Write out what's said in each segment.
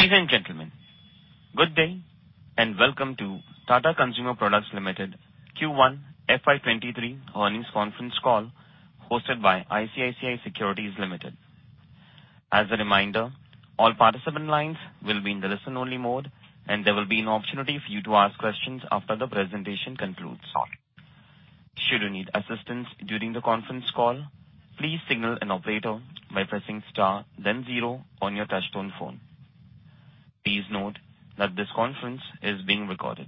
Ladies and gentlemen, good day, and welcome to Tata Consumer Products Limited Q1 FY 2023 earnings conference call hosted by ICICI Securities Limited. As a reminder, all participant lines will be in the listen-only mode, and there will be an opportunity for you to ask questions after the presentation concludes. Should you need assistance during the conference call, please signal an operator by pressing star then zero on your touchtone phone. Please note that this conference is being recorded.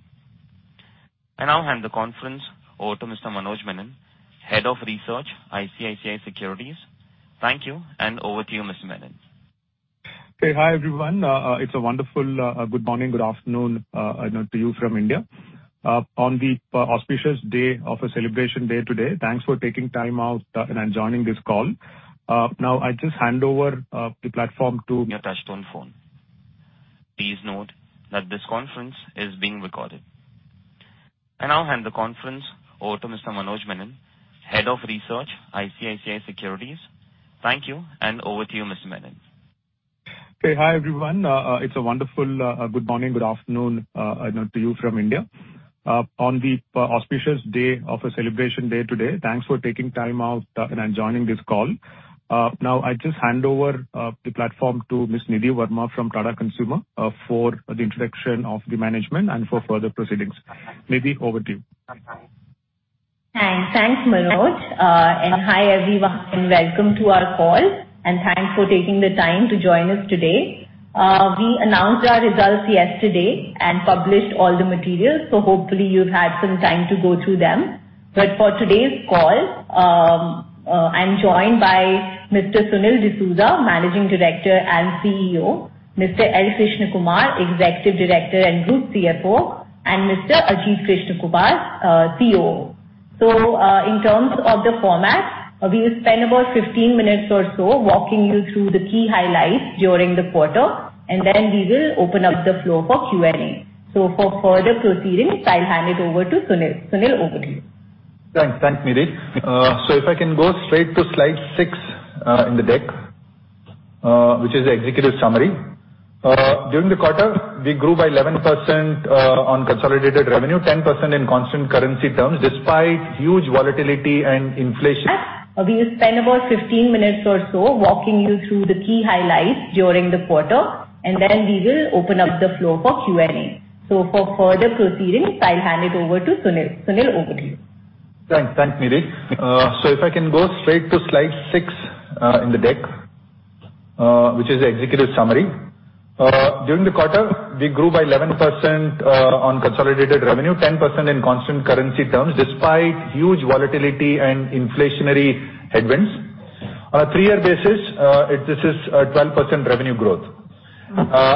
I now hand the conference over to Mr. Manoj Menon, Head of Research, ICICI Securities. Thank you, and over to you, Mr. Menon. Okay, hi, everyone. It's a wonderful good morning, good afternoon, you know, to you from India, on the auspicious day of a celebration day today. Thanks for taking time out and joining this call. Now I just hand over the platform to- Your touch-tone phone. Please note that this conference is being recorded. I now hand the conference over to Mr. Manoj Menon, Head of Research, ICICI Securities. Thank you, and over to you, Mr. Menon. Okay, hi, everyone. It's a wonderful good morning, good afternoon, you know, to you from India, on the auspicious day of a celebration day today. Thanks for taking time out and joining this call. Now I just hand over the platform to Ms. Nidhi Verma from Tata Consumer for the introduction of the management and for further proceedings. Nidhi, over to you. Thanks. Thanks, Manoj. Hi, everyone, and welcome to our call. Thanks for taking the time to join us today. We announced our results yesterday and published all the materials, so hopefully you've had some time to go through them. For today's call, I'm joined by Mr. Sunil D'Souza, Managing Director and CEO, Mr. L. Krishna Kumar, Executive Director and Group CFO, and Mr. Ajit Krishnakumar, COO. In terms of the format, we will spend about 15 minutes or so walking you through the key highlights during the quarter, and then we will open up the floor for Q&A. For further proceedings, I'll hand it over to Sunil. Sunil, over to you. Thanks, Nidhi. If I can go straight to slide 6, in the deck, which is the executive summary. During the quarter, we grew by 11%, on consolidated revenue, 10% in constant currency terms, despite huge volatility and inflation. We will spend about 15 minutes or so walking you through the key highlights during the quarter, and then we will open up the floor for Q&A. For further proceedings, I'll hand it over to Sunil. Sunil, over to you. Thanks. Thanks, Nidhi. So if I can go straight to slide 6, in the deck, which is the executive summary. During the quarter, we grew by 11%, on consolidated revenue, 10% in constant currency terms, despite huge volatility and inflationary headwinds. On a three-year basis, this is 12% revenue growth.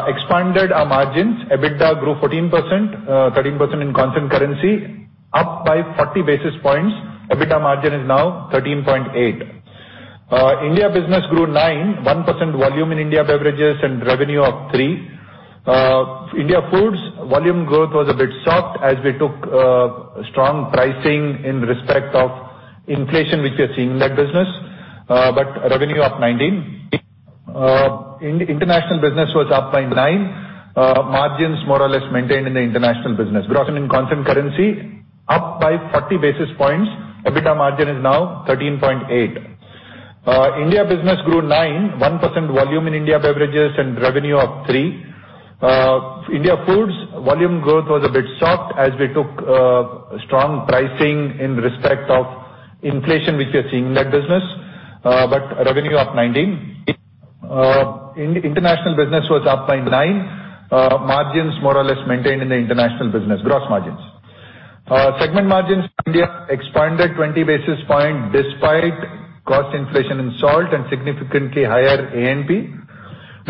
Expanded our margins. EBITDA grew 14%, 13% in constant currency, up by 40 basis points. EBITDA margin is now 13.8%. India business grew 9%.1% volume in India beverages and revenue up 3%. India foods, volume growth was a bit soft as we took strong pricing in respect of inflation which we are seeing in that business, but revenue up 19%. International business was up by 9%. Margins more or less maintained in the international business. Gross in constant currency up by 40 basis points. EBITDA margin is now 13.8%. India business grew 9%.1% volume in India beverages and revenue up 3%. India foods, volume growth was a bit soft as we took strong pricing in respect of inflation which we are seeing in that business, but revenue up 19%. International business was up by 9%. Margins more or less maintained in the international business, gross margins. Segment margins India expanded 20 basis points despite cost inflation in salt and significantly higher A&P.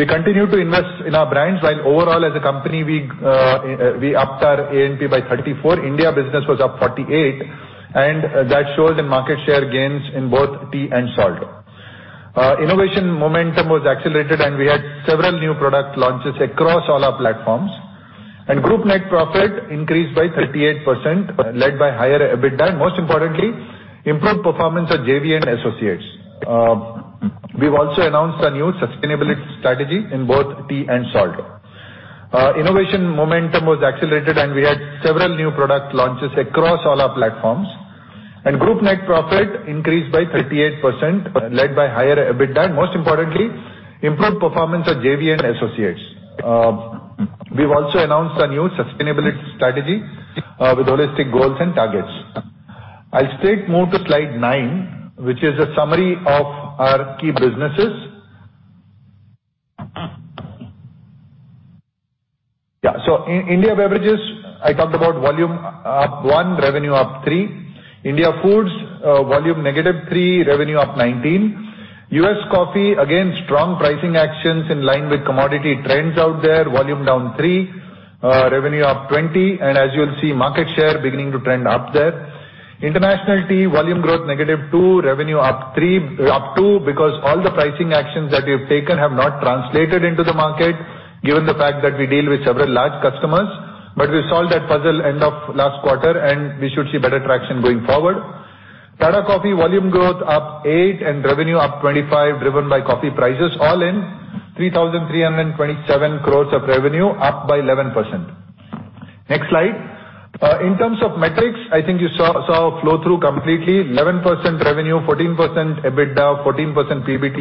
We continue to invest in our brands while overall as a company we upped our A&P by 34%. India business was up 4%, and that shows in market share gains in both tea and salt. Innovation momentum was accelerated, and we had several new product launches across all our platforms. Group net profit increased by 38%, led by higher EBITDA, and most importantly, improved performance of JV and associates. We've also announced a new sustainability strategy in both tea and salt. Innovation momentum was accelerated, and we had several new product launches across all our platforms. Group net profit increased by 38%, led by higher EBITDA, and most importantly, improved performance of JV and associates. We've also announced a new sustainability strategy with holistic goals and targets. I'll straight move to slide 9, which is a summary of our key businesses. India beverages, I talked about volume up 1%, revenue up 3%. India foods, volume -3%, revenue up 19%. U.S. coffee, again, strong pricing actions in line with commodity trends out there. Volume down 3%, revenue up 20%, and as you'll see, market share beginning to trend up there. International tea, volume growth -2%, revenue up 3%, up 2% because all the pricing actions that we've taken have not translated into the market, given the fact that we deal with several large customers. We solved that puzzle end of last quarter, and we should see better traction going forward. Tata Coffee volume growth up 8% and revenue up 25%, driven by coffee prices, all in 3,327 crores of revenue, up by 11%. Next slide. In terms of metrics, I think you saw flow-through completely. 11% revenue, 14% EBITDA, 14% PBT,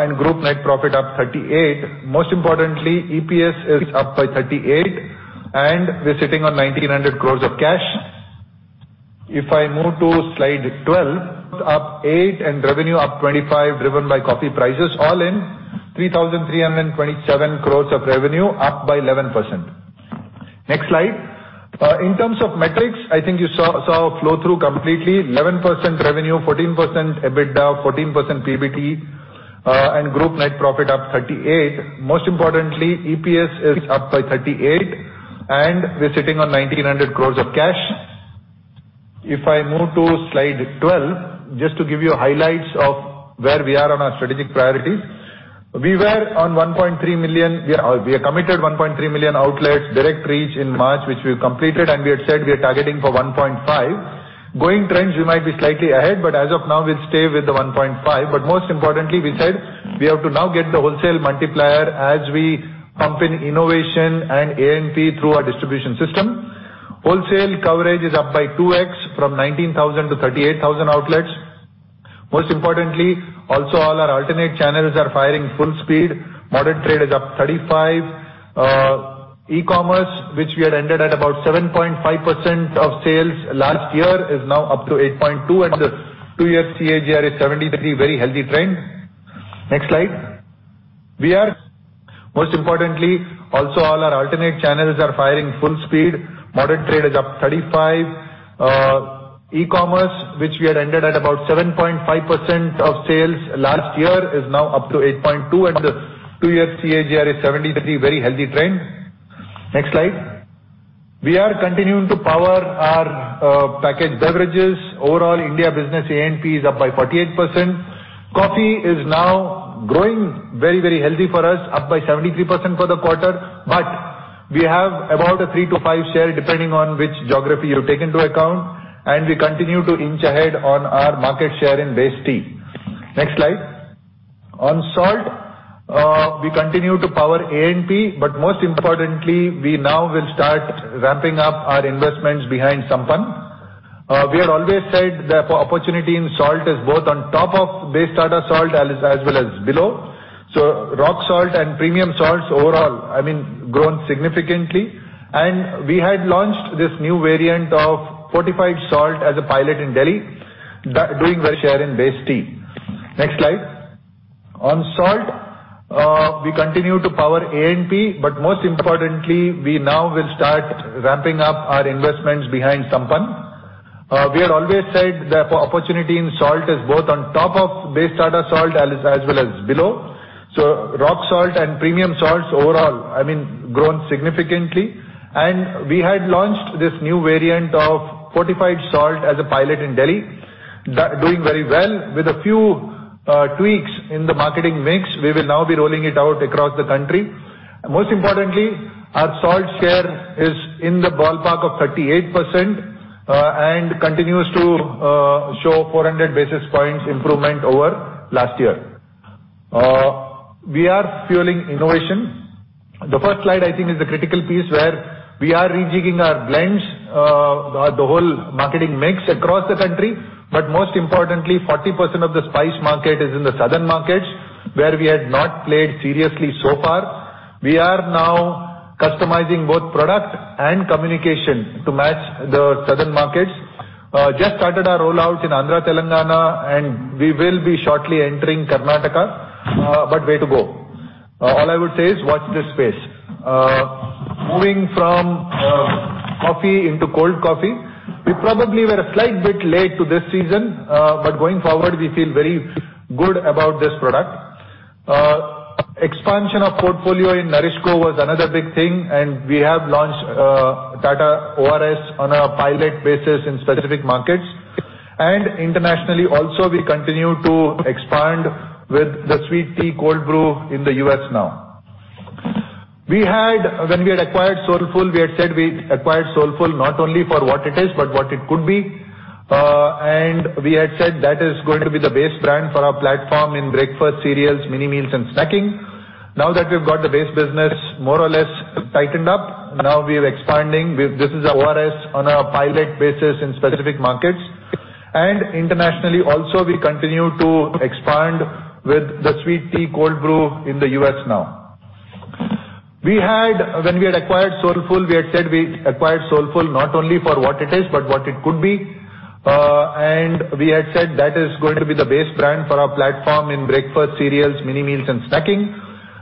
and group net profit up 38%. Most importantly, EPS is up by 38%, and we're sitting on 1,900 crores of cash. If I move to slide 12. Up 8% and revenue up 25%, driven by coffee prices, all in 3,327 crores of revenue, up by 11%. Next slide. In terms of metrics, I think you saw flow-through completely. 11% revenue, 14% EBITDA, 14% PBT, and group net profit up 38%. Most importantly, EPS is up by 38%, and we're sitting on 1,900 crores of cash. If I move to slide 12, just to give you highlights of where we are on our strategic priorities. We were on 1.3 million. We are, we have committed 1.3 million outlets direct reach in March, which we've completed, and we had said we are targeting for 1.5 million. Going by trends, we might be slightly ahead, but as of now, we'll stay with the 1.5 million. Most importantly, we said we have to now get the wholesale multiplier as we pump in innovation and A&P through our distribution system. Wholesale coverage is up by 2x from 19,000 to 38,000 outlets. Most importantly, also all our alternate channels are firing full speed. Modern trade is up 35%. E-commerce, which we had ended at about 7.5% of sales last year, is now up to 8.2%. The two-year CAGR is 73%, very healthy trend. Next slide. We are continuing to power our packaged beverages. Overall India business A&P is up by 48%. Coffee is now growing very, very healthy for us, up by 73% for the quarter. But we have about a 3%-5% share, depending on which geography you take into account, and we continue to inch ahead on our market share in base tea. Next slide. On salt, we continue to power A&P, but most importantly, we now will start ramping up our investments behind Sampann. We have always said the opportunity in salt is both on top of base Tata Salt as well as below. Rock salt and premium salts overall, I mean, grown significantly. We had launched this new variant of fortified salt as a pilot in Delhi, doing very well. With a few tweaks in the marketing mix, we will now be rolling it out across the country. Most importantly, our salt share is in the ballpark of 38%, and continues to show 400 basis points improvement over last year. We are fueling innovation. The first slide I think is a critical piece where we are rejigging our blends, the whole marketing mix across the country. Most importantly, 40% of the spice market is in the southern markets, where we had not played seriously so far. We are now customizing both product and communication to match the southern markets. Just started our rollout in Andhra and Telangana, and we will be shortly entering Karnataka, but way to go. All I would say is watch this space. Moving from coffee into cold coffee. We probably were a slight bit late to this season, but going forward, we feel very good about this product. Expansion of portfolio in NourishCo was another big thing, and we have launched Tata ORS on a pilot basis in specific markets. Internationally also, we continue to expand with the sweet tea cold brew in the U.S. now. When we had acquired Soulfull, we had said we acquired Soulfull not only for what it is, but what it could be. We had said that is going to be the base brand for our platform in breakfast cereals, mini meals, and snacking. Now that we've got the base business more or less tightened up, now we are expanding. This is our ORS on a pilot basis in specific markets. Internationally also, we continue to expand with the sweet tea cold brew in the U.S. now. When we had acquired Soulfull, we had said we acquired Soulfull not only for what it is, but what it could be. We had said that is going to be the base brand for our platform in breakfast cereals, mini meals, and snacking.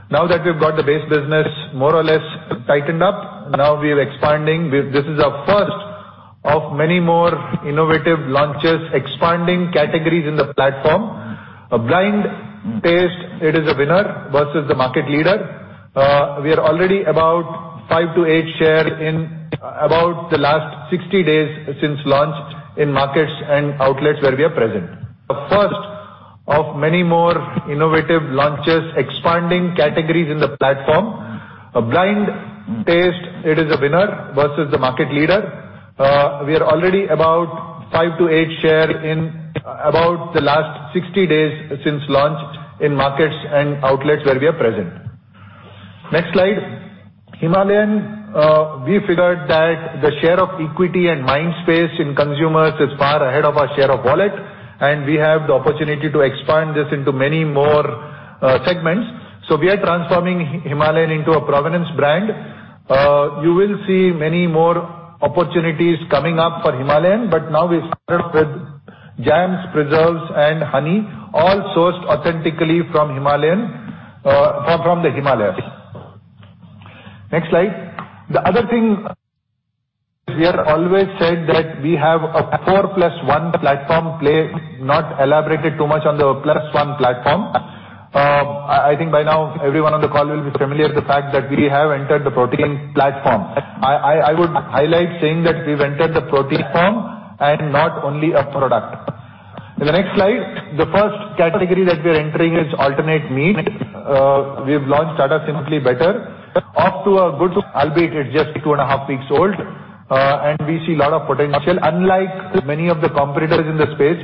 Now that we've got the base business more or less tightened up, now we are expanding. This is our first of many more innovative launches, expanding categories in the platform. A blind taste, it is a winner versus the market leader. We are already about 5%-8% share in about the last 60 days since launched in markets and outlets where we are present. We are already about 5%-8% share in about the last 60 days since launch in markets and outlets where we are present. Next slide. Himalayan, we figured that the share of equity and mind space in consumers is far ahead of our share of wallet, and we have the opportunity to expand this into many more segments. We are transforming Himalayan into a provenance brand. You will see many more opportunities coming up for Himalayan, but now we started with jams, preserves, and honey, all sourced authentically from Himalayan, from the Himalayas. Next slide. The other thing, we have always said that we have a 4 + 1 platform play, not elaborated too much on the plus one platform. I think by now everyone on the call will be familiar with the fact that we have entered the protein platform. I would highlight saying that we've entered the protein form and not only a product. In the next slide, the first category that we are entering is alternate meat. We've launched Tata Simply Better off to a good reach albeit it is just two-and-a-half weeks old and we see a lot of potential. Unlike many of the competitors in the space,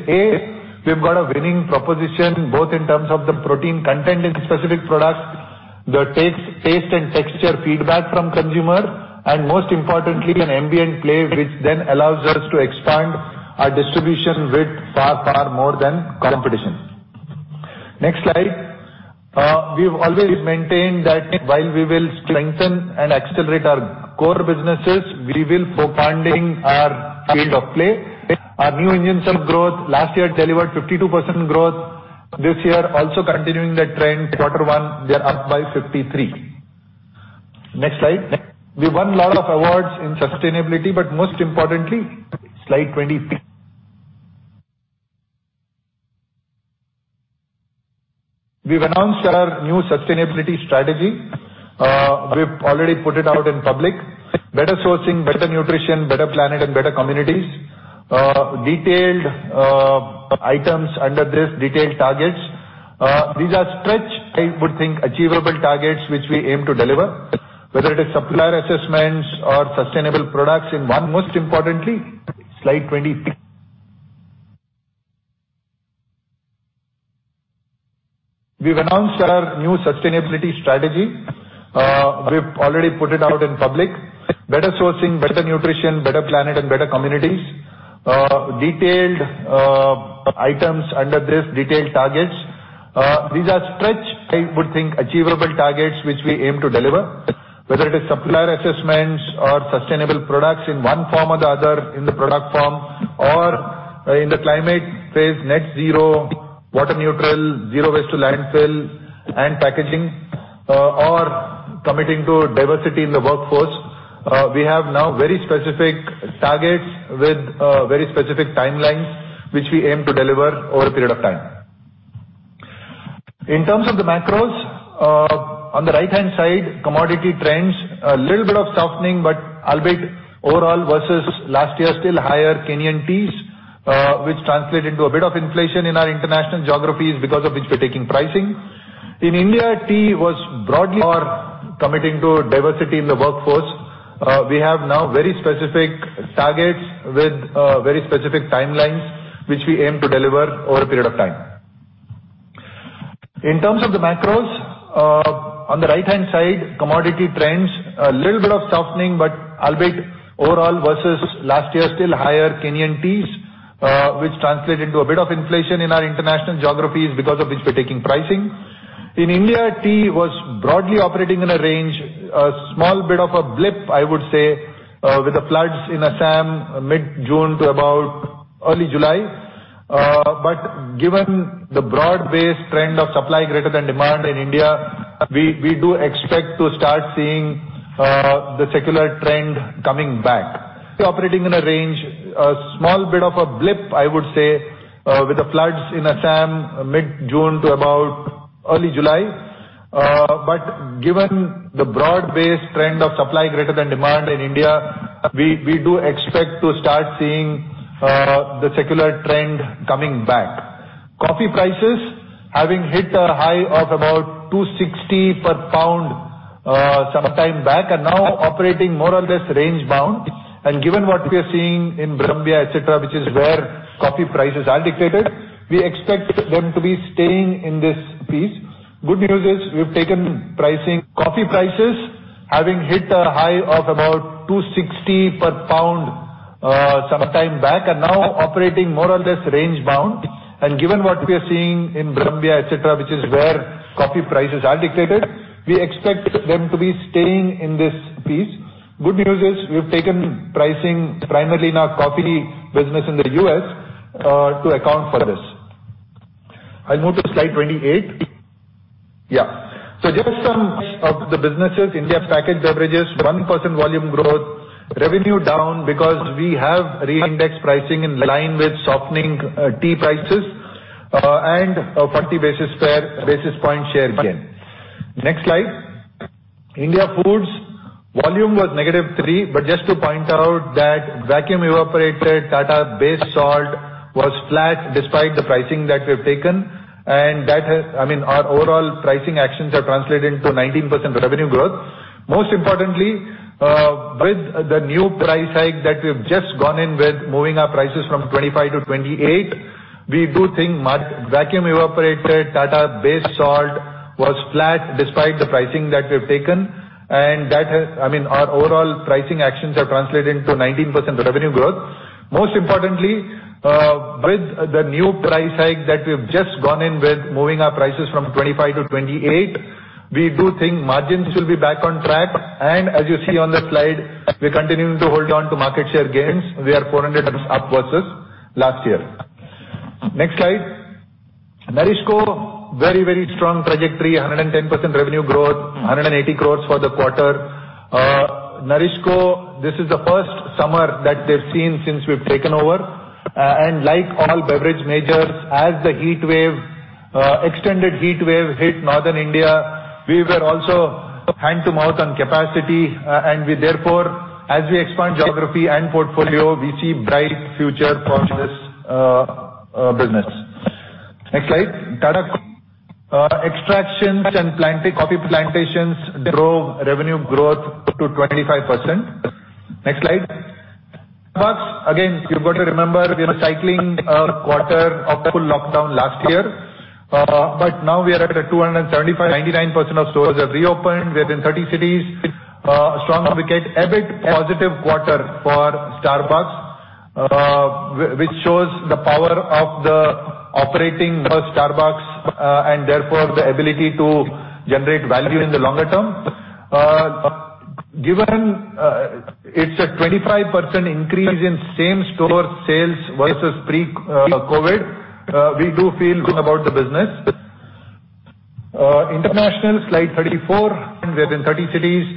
we've got a winning proposition, both in terms of the protein content in specific products, the taste and texture feedback from consumers, and most importantly, an ambient play, which then allows us to expand our distribution width far more than competition. Next slide. We've always maintained that while we will strengthen and accelerate our core businesses, we will be funding our field of play. Our new engine self-growth last year delivered 52% growth. This year also continuing that trend. Q1 we are up by 53%. Next slide. We won a lot of awards in sustainability, but most importantly, Slide 23. We've announced our new sustainability strategy. We've already put it out in public. Better sourcing, better nutrition, better planet, and better communities. Detailed items under this detailed targets. These are stretch, I would think, achievable targets which we aim to deliver, whether it is supplier assessments or sustainable products in one. These are stretch, I would think, achievable targets which we aim to deliver, whether it is supplier assessments or sustainable products in one form or the other in the product form, or, in the climate phase, net zero, water neutral, zero waste to landfill and packaging, or committing to diversity in the workforce. We have now very specific targets with, very specific timelines which we aim to deliver over a period of time. In terms of the macros, on the right-hand side, commodity trends, a little bit of softening, but albeit overall versus last year, still higher Kenyan Teas, which translate into a bit of inflation in our international geographies because of which we're taking pricing. We have now very specific targets with very specific timelines which we aim to deliver over a period of time. In terms of the macros, on the right-hand side, commodity trends, a little bit of softening, but albeit overall versus last year, still higher Kenyan teas, which translate into a bit of inflation in our international geographies because of which we're taking pricing. In India, tea was broadly operating in a range. A small bit of a blip, I would say, with the floods in Assam mid-June to about early July. Given the broad-based trend of supply greater than demand in India, we do expect to start seeing the secular trend coming back. Operating in a range. A small bit of a blip, I would say, with the floods in Assam mid-June to about early July. Given the broad-based trend of supply greater than demand in India, we do expect to start seeing the secular trend coming back. Coffee prices having hit a high of about 260 per pound some time back and now operating more or less range bound. Given what we're seeing in Colombia, etc., which is where coffee prices are dictated, we expect them to be staying in this piece. Good news is we've taken pricing primarily in our coffee business in the U.S. to account for this. I'll move to slide 28. Yeah. Just some of the businesses. India's packaged beverages, 1% volume growth. Revenue down because we have re-indexed pricing in line with softening tea prices, and 40 basis points share gain. Next slide. India Foods, volume was -3%, but just to point out that vacuum-evaporated Tata base Salt was flat despite the pricing that we've taken. That has, I mean, our overall pricing actions have translated into 19% revenue growth. Most importantly, with the new price hike that we've just gone in with, moving our prices from INR 25 to INR 28, we do think vacuum-evaporated Tata base Salt was flat despite the pricing that we've taken, and that has, I mean, our overall pricing actions have translated into 19% revenue growth. Most importantly, with the new price hike that we've just gone in with, moving our prices from 25 to 28, we do think margins will be back on track. As you see on the slide, we're continuing to hold on to market share gains. We are 400 bps up versus last year. Next slide. NourishCo, very, very strong trajectory, 110% revenue growth, 180 crores for the quarter. NourishCo, this is the first summer that they've seen since we've taken over. Like all beverage majors, as the extended heatwave hit Northern India, we were also hand-to-mouth on capacity. We therefore, as we expand geography and portfolio, we see bright future for this, business. Next slide. Tata extractions and plantations, coffee plantations drove revenue growth to 25%. Next slide. Starbucks, again, you've got to remember we are cycling a quarter of full lockdown last year, but now we are at 275, 99% of stores have reopened. We are in 30 cities. Strong wicket, EBIT positive quarter for Starbucks, which shows the power of the operating of Starbucks, and therefore the ability to generate value in the longer term. Given it's a 25% increase in same-store sales versus pre-COVID, we do feel good about the business. International, slide 34, and we're in 30 cities.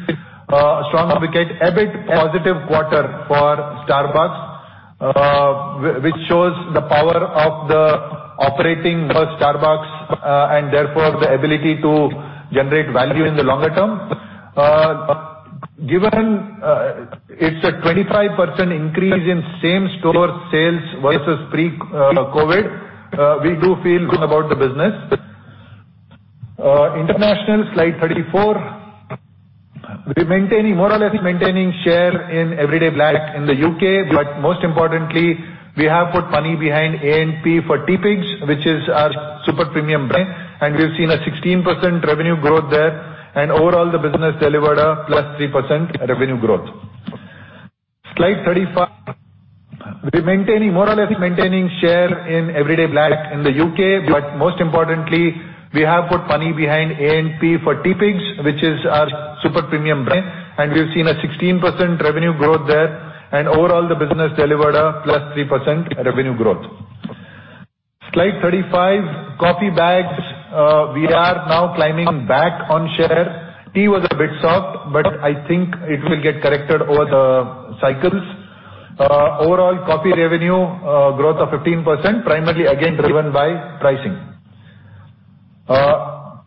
Strong wicket, EBIT positive quarter for Starbucks, which shows the power of the operating of Starbucks, and therefore the ability to generate value in the longer term. Given it's a 25% increase in same-store sales versus pre-COVID, we do feel good about the business. International, slide 34, we're more or less maintaining share in Everyday Black in the U.K., but most importantly, we have put money behind A&P for Teapigs, which is our super premium brand, and we've seen a 16% revenue growth there, and overall, the business delivered a +3% revenue growth. Slide 35, coffee bags. We are now climbing back on share. Tea was a bit soft, but I think it will get corrected over the cycles. Overall coffee revenue growth of 15%, primarily again driven by pricing.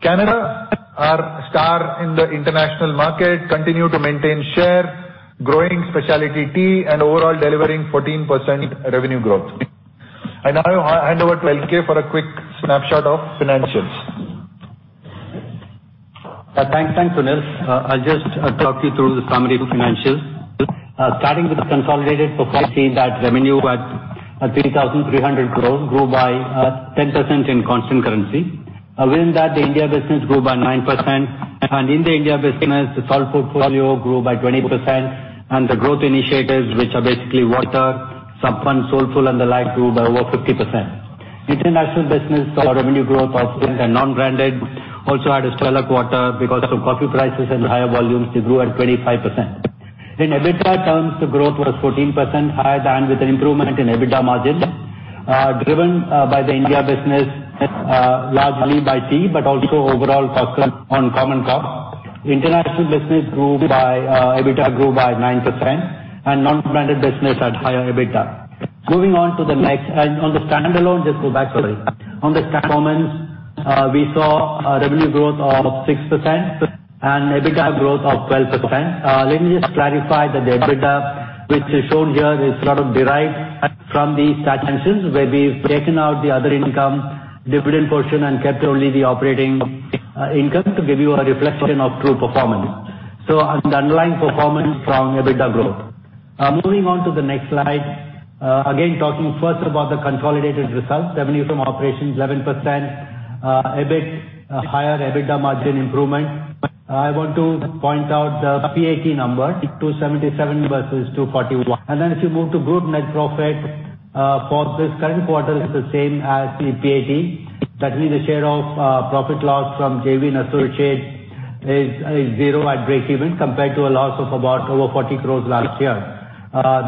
Canada, our star in the international market, continue to maintain share, growing specialty tea and overall delivering 14% revenue growth. I now hand over to LK for a quick snapshot of financials. Thanks, Sunil. I'll just talk you through the summary financials. Starting with the consolidated profile, see that revenue at 3,300 crores grow by 10% in constant currency. Within that, the India business grew by 9%. In the India business, the salt portfolio grew by 20%, and the growth initiatives, which are basically water, Sampann, Soulfull, and the like, grew by over 50%. International business saw revenue growth of, and non-branded also had a stellar quarter because of coffee prices and higher volumes. It grew at 25%. In EBITDA terms, the growth was 14% higher than with an improvement in EBITDA margin, driven by the India business, largely by tea, but also overall cost cut on commodity. International business grew by, EBITDA grew by 9%, and non-branded business had higher EBITDA. Moving on to the next. On the standalone. On the performance, we saw a revenue growth of 6% and EBITDA growth of 12%. Let me just clarify that the EBITDA, which is shown here, is sort of derived from these statistics where we've taken out the other income dividend portion and kept only the operating income to give you a reflection of true performance. An underlying performance from EBITDA growth. Moving on to the next slide. Again, talking first about the consolidated results, revenue from operations 11%, EBIT, higher EBITDA margin improvement. I want to point out the PAT number, 277 versus 241. If you move to group net profit for this current quarter is the same as the PAT. That means the share of profit loss from JV and associates is zero at breakeven, compared to a loss of over 40 crore last year.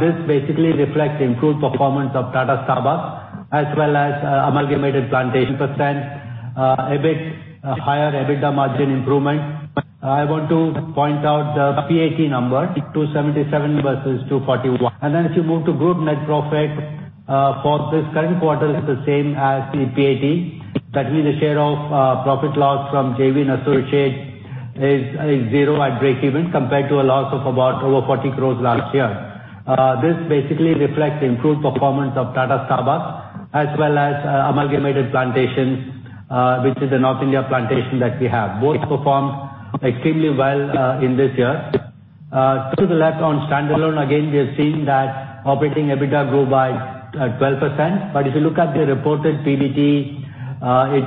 This basically reflects improved performance of Tata Starbucks as well as Amalgamated Plantations and EBIT, higher EBITDA margin improvement. I want to point out the PAT number, 277 crore versus 241 crore. This basically reflects improved performance of Tata Starbucks as well as Amalgamated Plantations, which is the North India plantation that we have. Both performed extremely well in this year. To the left on standalone, again, we are seeing that operating EBITDA grow by 12%. If you look at the reported PBT,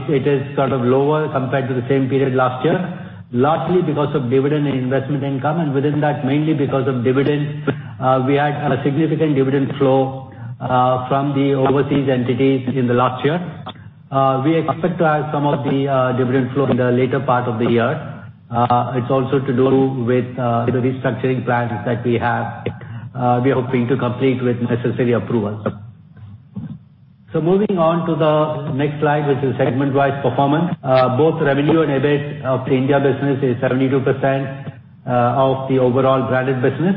it is sort of lower compared to the same period last year, largely because of dividend and investment income, and within that mainly because of dividend. We had a significant dividend flow from the overseas entities in the last year. We expect to have some of the dividend flow in the later part of the year. It's also to do with the restructuring plans that we have, we are hoping to complete with necessary approval. Moving on to the next slide, which is segment-wise performance. Both revenue and EBIT of the India business is 72% of the overall branded business.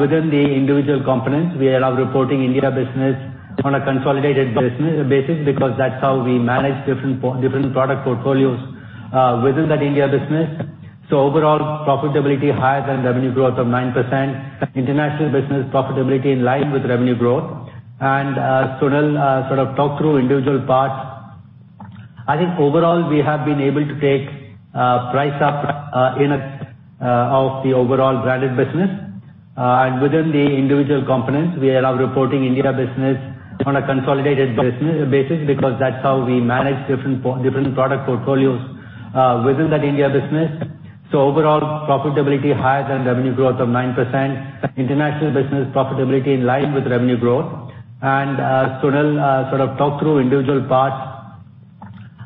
Within the individual components, we are now reporting India business on a consolidated basis because that's how we manage different product portfolios within that India business. Overall profitability higher than revenue growth of 9%. International business profitability in line with revenue growth. Sunil sort of talk through individual parts. I think overall we have been able to take price up in all of the overall branded business. Within the individual components, we are now reporting India business on a consolidated basis because that's how we manage different product portfolios within that India business. Overall profitability higher than revenue growth of 9%. International business profitability in line with revenue growth. Sunil, sort of talk through individual parts.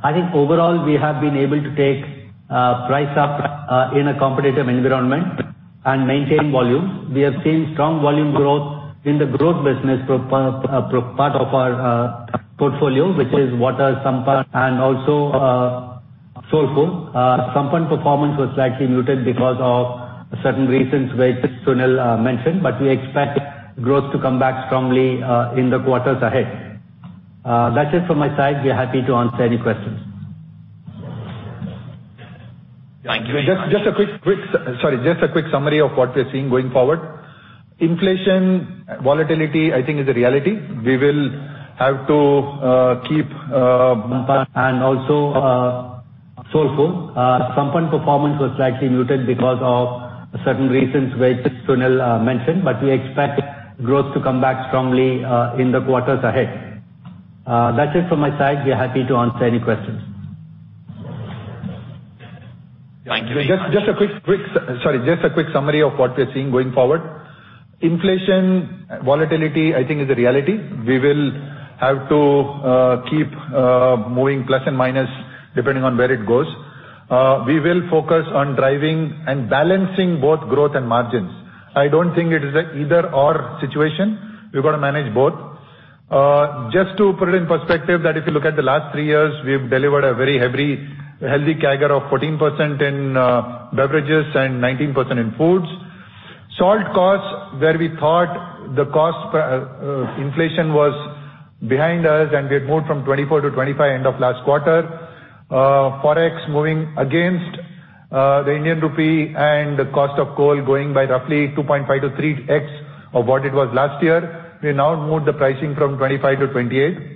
I think overall we have been able to take price up in a competitive environment and maintain volumes. We have seen strong volume growth in the growth business part of our portfolio, which is water, Sampann, and also Soulfull. Sampann performance was slightly muted because of certain reasons which Sunil mentioned, but we expect growth to come back strongly in the quarters ahead. That's it from my side. We are happy to answer any questions. Thank you very much. Sorry, just a quick summary of what we're seeing going forward. Inflation volatility, I think, is a reality- Also, Soulfull. Sampann performance was slightly muted because of certain reasons which Sunil mentioned, but we expect growth to come back strongly in the quarters ahead. That's it from my side. We are happy to answer any questions. Thank you very much. Sorry, just a quick summary of what we're seeing going forward. Inflation volatility I think is a reality. We will have to keep moving plus and minus depending on where it goes. We will focus on driving and balancing both growth and margins. I don't think it is an either/or situation. We've got to manage both. Just to put it in perspective that if you look at the last three years, we've delivered a very healthy CAGR of 14% in beverages and 19% in foods. Salt costs, where we thought the cost inflation was behind us, and we had moved from 24 to 25 end of last quarter. Forex moving against the Indian rupee and the cost of coal going by roughly 2.5x-3x of what it was last year. We now moved the pricing from INR 25 to INR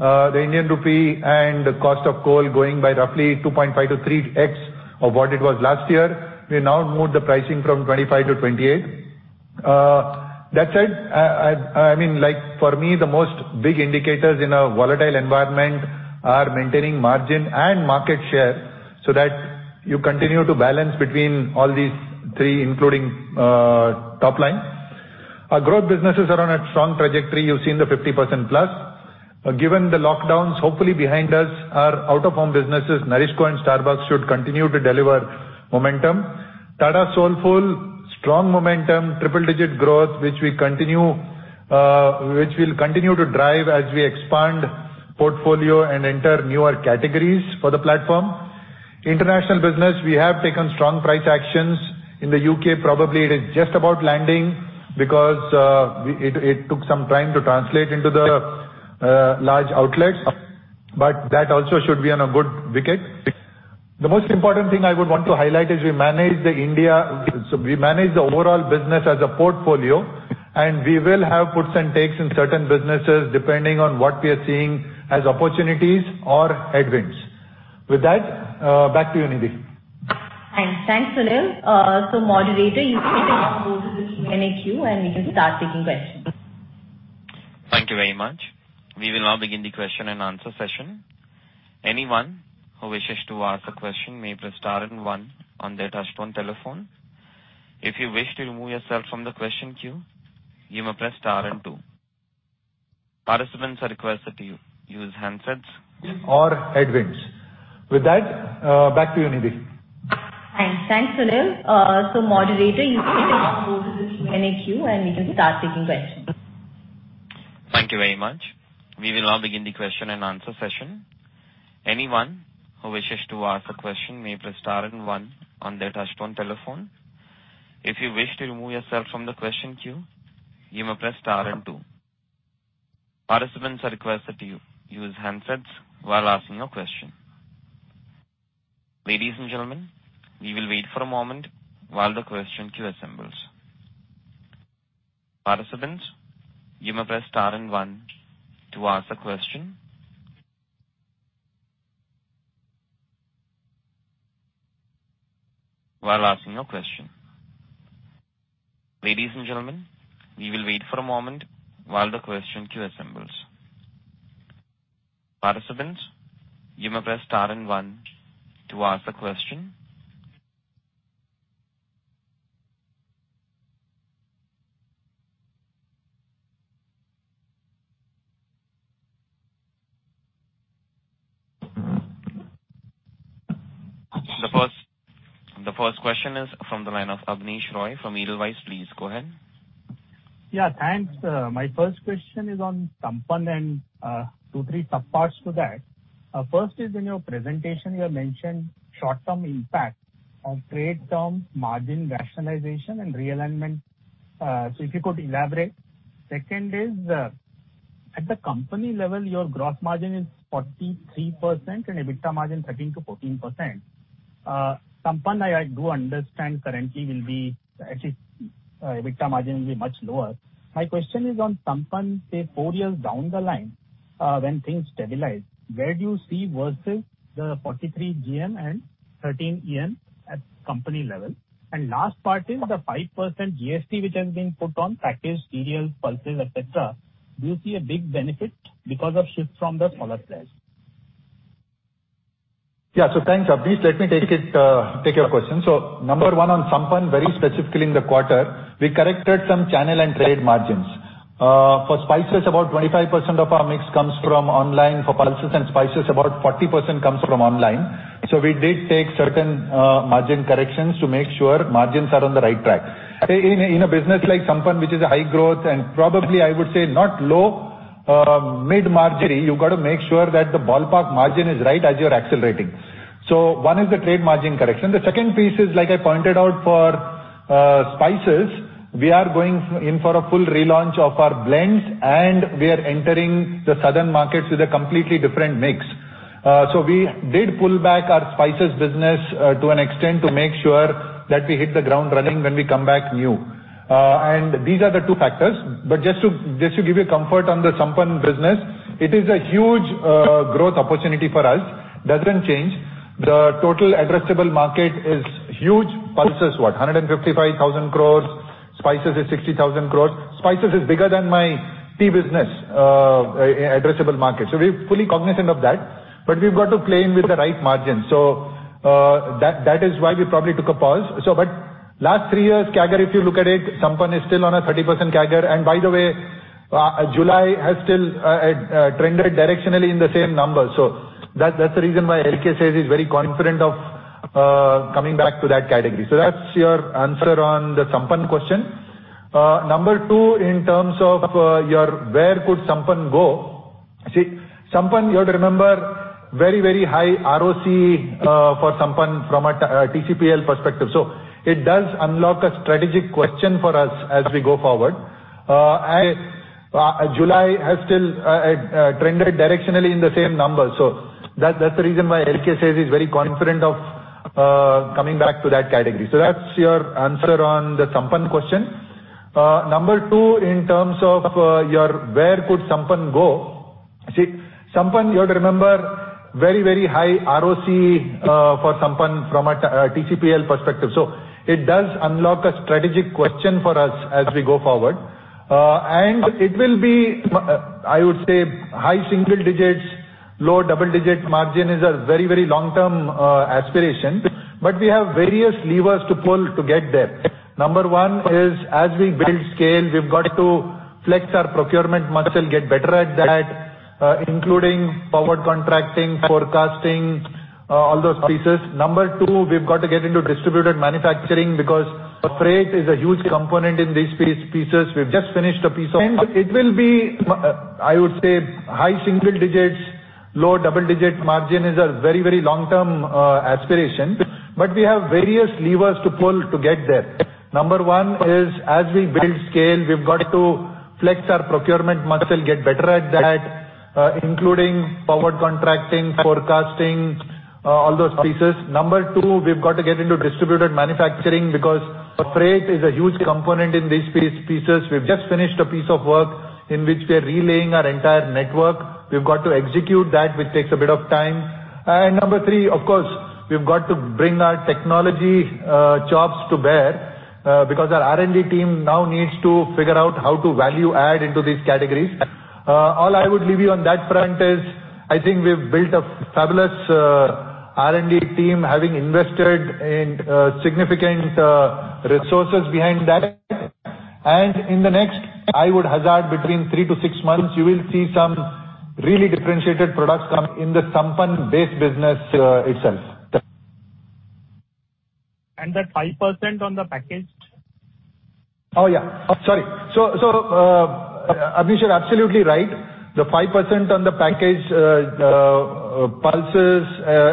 28. That said, I mean, like, for me, the most big indicators in a volatile environment are maintaining margin and market share so that you continue to balance between all these three, including top line. Our growth business last quarter. Forex moving against the Indian rupee and the cost of coal going by roughly 2.5x-3x of what it was last year. We now moved the pricing from INR 25-INR 28. That said, I mean, like, for me, the biggest indicators in a volatile environment are maintaining margin and market share so that you continue to balance between all these three, including top line. Our growth businesses are on a strong trajectory. You've seen the 50%+. Given the lockdowns hopefully behind us, our out-of-home businesses, NourishCo and Starbucks, should continue to deliver momentum. Tata Soulfull, strong momentum, triple-digit growth, which we'll continue to drive as we expand portfolio and enter newer categories for the platform. International business, we have taken strong price actions. In the U.K., probably it is just about landing because it took some time to translate into the large outlets. But that also should be on a good wicket. The most important thing I would want to highlight is we manage the Indi, we manage the overall business as a portfolio, and we will have puts and takes in certain businesses depending on what we are seeing as opportunities or headwinds. With that, back to you, Nidhi. Thanks. Thanks, Sunil. Moderator, you can now go to the Q&A queue, and we can start taking questions. Thank you very much. We will now begin the question-and-answer session. Anyone who wishes to ask a question may press star and one on their touch-tone telephone. If you wish to remove yourself from the question queue, you may press star and two. Participants are requested to use handsets. Headwinds. With that, back to you, Nidhi. Thanks. Thanks, Sunil. Moderator, you can now move to the Q&A queue, and we can start taking questions. Thank you very much. We will now begin the question and answer session. Anyone who wishes to ask a question may press star and one on their touchtone telephone. If you wish to remove yourself from the question queue, you may press star and two. Participants are requested to use handsets while asking a question. Ladies and gentlemen, we will wait for a moment while the question queue assembles. Participants, you may press star and one to ask a question. While asking a question. Ladies and gentlemen, we will wait for a moment while the question queue assembles. Participants, you may press star and one to ask a question. The first question is from the line of Abneesh Roy from Edelweiss. Please go ahead. Yeah, thanks. My first question is on Sampann and two, three subparts to that. First is in your presentation, you have mentioned short-term impact of trade term margin rationalization and realignment. So if you could elaborate. Second is, at the company level, your gross margin is 43% and EBITDA margin 13%-14%. Sampann, I do understand currently will be, at least, EBITDA margin will be much lower. My question is on Sampann, say four years down the line, when things stabilize, where do you see versus the 43% GM and 13% EM at company level? Last part is the 5% GST which has been put on packaged cereals, pulses, et cetera. Do you see a big benefit because of shift from the smaller players? Yeah. Thanks, Abneesh. Let me take your question. Number one, on Sampann, very specifically in the quarter, we corrected some channel and trade margins. For spices, about 25% of our mix comes from online. For pulses and spices, about 40% comes from online. We did take certain margin corrections to make sure margins are on the right track. In a business like Sampann, which is a high growth, and probably I would say not low, mid-margining, you've got to make sure that the ballpark margin is right as you're accelerating. One is the trade margin correction. The second piece is like I pointed out for spices, we are going in for a full relaunch of our blends, and we are entering the southern markets with a completely different mix. We did pull back our spices business to an extent to make sure that we hit the ground running when we come back new. These are the two factors. Just to give you comfort on the Sampann business, it is a huge growth opportunity for us. Doesn't change. The total addressable market is huge pulses, 155,000 crore. Spices is 60,000 crore. Spices is bigger than my tea business addressable market. We're fully cognizant of that, but we've got to play in with the right margin. That is why we probably took a pause. Last three years CAGR, if you look at it, Sampann is still on a 30% CAGR. By the way, July has still trended directionally in the same numbers. That's the reason why LK says he's very confident of coming back to that category. That's your answer on the Sampann question. Number two, in terms of your where could Sampann go? See Sampann, you have to remember, very, very high ROCE for Sampann from a TCPL perspective. It does unlock a strategic question for us as we go forward. July has still trended directionally in the same numbers. That's the reason why LK says he's very confident of coming back to that category. That's your answer on the Sampann question. Number two, in terms of your where could Sampann go? See Sampann, you have to remember, very, very high ROCE for Sampann from a TCPL perspective. It does unlock a strategic question for us as we go forward. It will be, I would say high single digits, low double-digit margin is a very, very long-term aspiration. We have various levers to pull to get there. Number one is as we build scale, we've got to flex our procurement muscle, get better at that, including forward contracting, forecasting, all those pieces. Number two, we've got to get into distributed manufacturing because freight is a huge component in these pieces. We've just finished a piece of work in which we are relaying our entire network. We've got to execute that, which takes a bit of time. Number three, of course, we've got to bring our technology chops to bear, because our R&D team now needs to figure out how to value add into these categories. All I would leave you on that front is I think we've built a fabulous R&D team, having invested in significant resources behind that. In the next, I would hazard between three to six months, you will see some really differentiated products coming in the Sampann base business itself. And the 5% on the package? Oh, yeah. Sorry. Abneesh, you're absolutely right. The 5% on the package, pulses,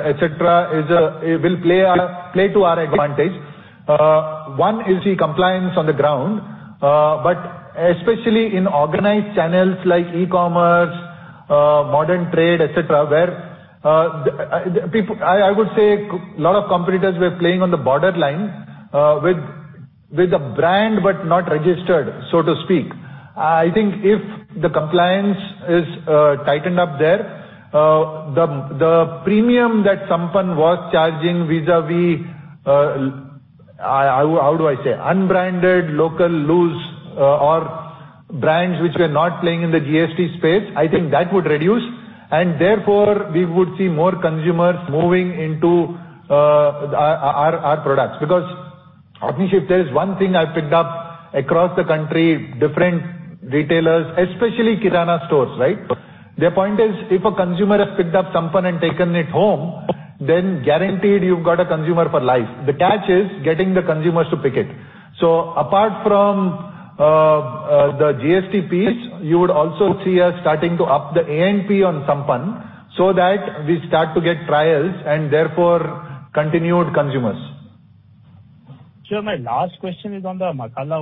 et cetera, is it will play to our advantage. One is the compliance on the ground, but especially in organized channels like e-commerce, modern trade, et cetera, where the people I would say a lot of competitors were playing on the borderline, with a brand but not registered, so to speak. I think if the compliance is tightened up there, the premium that Sampann was charging vis-a-vis, how do I say? Unbranded, local, loose, or brands which were not playing in the GST space, I think that would reduce. Therefore, we would see more consumers moving into our products. Abneesh, if there is one thing I've picked up across the country, different retailers, especially Kirana stores, right? Their point is, if a consumer has picked up Sampann and taken it home, then guaranteed you've got a consumer for life. The catch is getting the consumers to pick it. Apart from the GST piece, you would also see us starting to up the A&P on Sampann so that we start to get trials and therefore continued consumers. Sure. My last question is on the Masala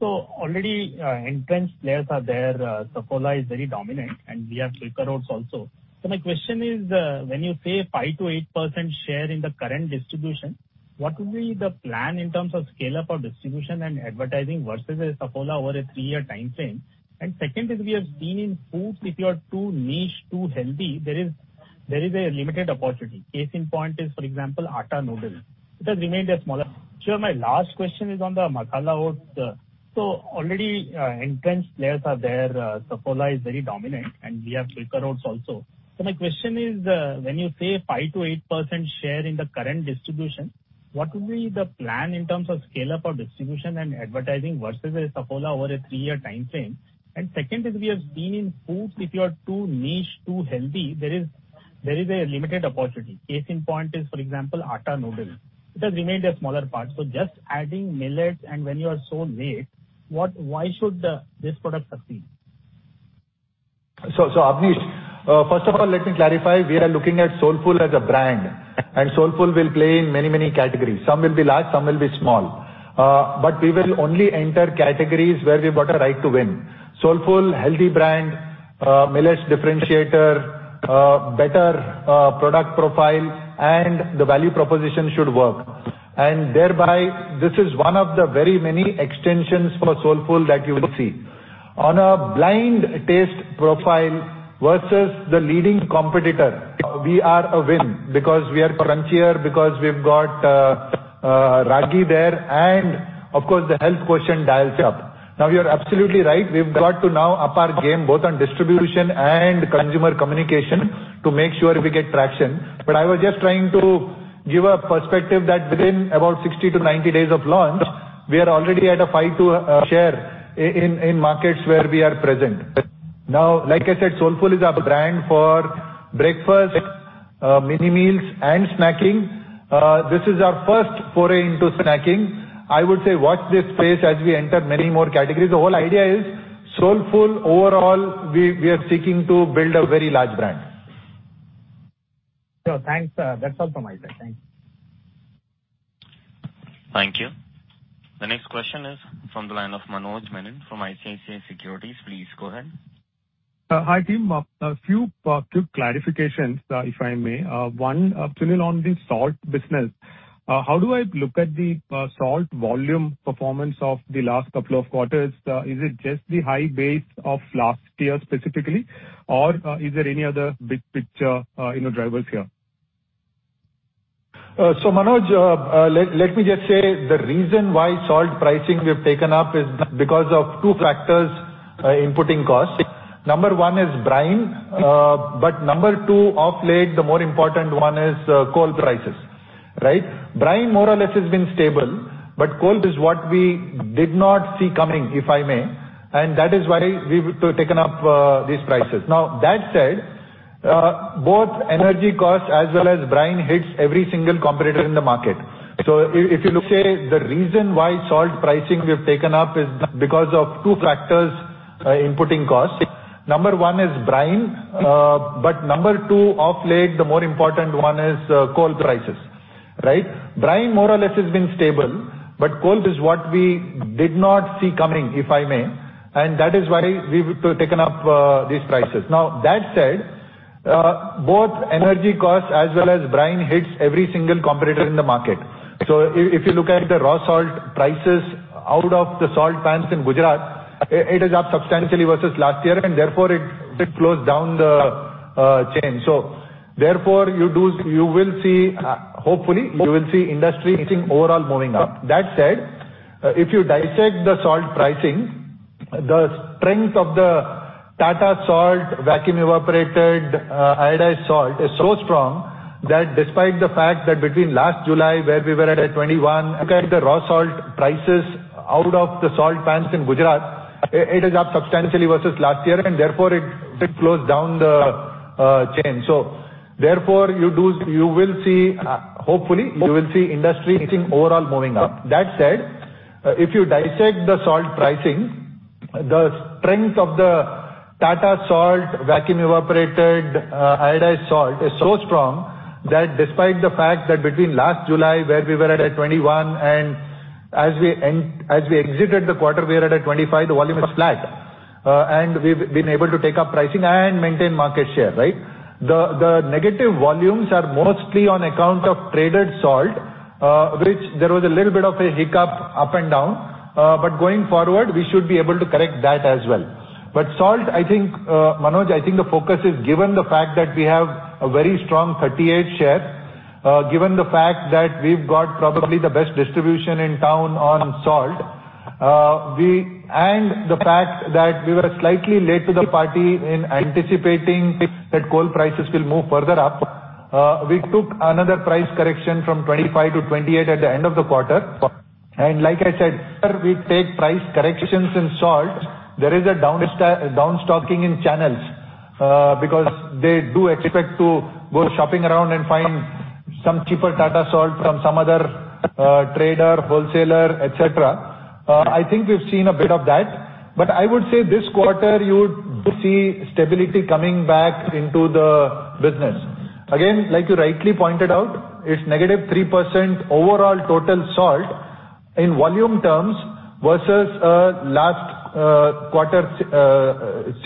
Oats. Already, entrenched players are there. Saffola is very dominant, and we have Quaker Oats also. My question is, when you say 5%-8% share in the current distribution, what will be the plan in terms of scale-up or distribution and advertising versus a Saffola over a three-year timeframe? Second is, we have seen in foods, if you are too niche, too healthy, there is a limited opportunity. Case in point is, for example, atta noodles. It has remained a smaller. My question is, when you say 5%-8% share in the current distribution, what will be the plan in terms of scale-up or distribution and advertising versus a Saffola over a three-year timeframe? Second is, we have seen in foods, if you are too niche, too healthy, there is a limited opportunity. Case in point is, for example, atta noodles. It has remained a smaller part. Just adding millets and when you are so late, why should this product succeed? Abneesh, first of all, let me clarify, we are looking at Soulfull as a brand, and Soulfull will play in many categories. Some will be large, some will be small. We will only enter categories where we've got a right to win. Soulfull, healthy brand, millet differentiator, better product profile, and the value proposition should work. Thereby, this is one of the very many extensions for Soulfull that you will see. On a blind taste profile versus the leading competitor, we are a win because we are crunchier, because we've got ragi there, and of course, the health quotient dials it up. Now, you're absolutely right. We've got to now up our game, both on distribution and consumer communication to make sure we get traction. I was just trying to give a perspective that within about 60-90 days of launch, we are already at a 5% share in markets where we are present. Now, like I said, Soulfull is our brand for breakfast, mini meals and snacking. This is our first foray into snacking. I would say watch this space as we enter many more categories. The whole idea is Soulfull overall, we are seeking to build a very large brand. Thanks. That's all from my side. Thank you. Thank you. The next question is from the line of Manoj Menon from ICICI Securities. Please go ahead. Hi, team. A few quick clarifications, if I may. One, Sunil, on the salt business, how do I look at the salt volume performance of the last couple of quarters? Is it just the high base of last year specifically, or is there any other big picture, you know, drivers here? Manoj, let me just say the reason why salt pricing we have taken up is because of two factors, input costs. Number one is brine. But number two, of late, the more important one is, coal prices, right? Brine more or less has been stable, but coal is what we did not see coming, if I may. That is why we've taken up these prices. Now, that said, both energy costs as well as brine hits every single competitor in the market. If you look at, say, the reason why salt pricing we have taken up is because of two factors, input costs. Number one is brine. But number two, of late, the more important one is, coal prices, right? Brine more or less has been stable, but coal is what we did not see coming, if I may. That is why we've taken up these prices. Now, that said, both energy costs as well as brine hits every single competitor in the market. If you look at the raw salt prices out of the salt pans in Gujarat, it is up substantially versus last year, and therefore it flows down the chain. Therefore you will see, hopefully you will see industry pricing overall moving up. That said, if you dissect the salt pricing. The strength of the Tata Salt, vacuum evaporated iodized salt is so strong that despite the fact that between last July, where we were at INR 21, look at the raw salt prices out of the salt pans in Gujarat, it is up substantially versus last year, and therefore it flows down the chain. Therefore you will see, hopefully, industry overall moving up. That said, if you dissect the salt pricing, the strength of the Tata Salt, vacuum evaporated iodized salt is so strong that despite the fact that between last July, where we were at 21, and as we exited the quarter, we are at 25, the volume is flat. We've been able to take up pricing and maintain market share, right? The negative volumes are mostly on account of traded salt, which there was a little bit of a hiccup up and down. Going forward, we should be able to correct that as well. Salt, I think, Manoj, I think the focus is given the fact that we have a very strong 38% share, given the fact that we've got probably the best distribution in town on salt, and the fact that we were slightly late to the party in anticipating that coal prices will move further up, we took another price correction from 25-28 at the end of the quarter. Like I said, where we take price corrections in salt, there is a down stocking in channels, because they do expect to go shopping around and find some cheaper Tata Salt from some other trader, wholesaler, et cetera. I think we've seen a bit of that. I would say this quarter, you would see stability coming back into the business. Again, like you rightly pointed out, it's -3% overall total salt in volume terms versus last quarter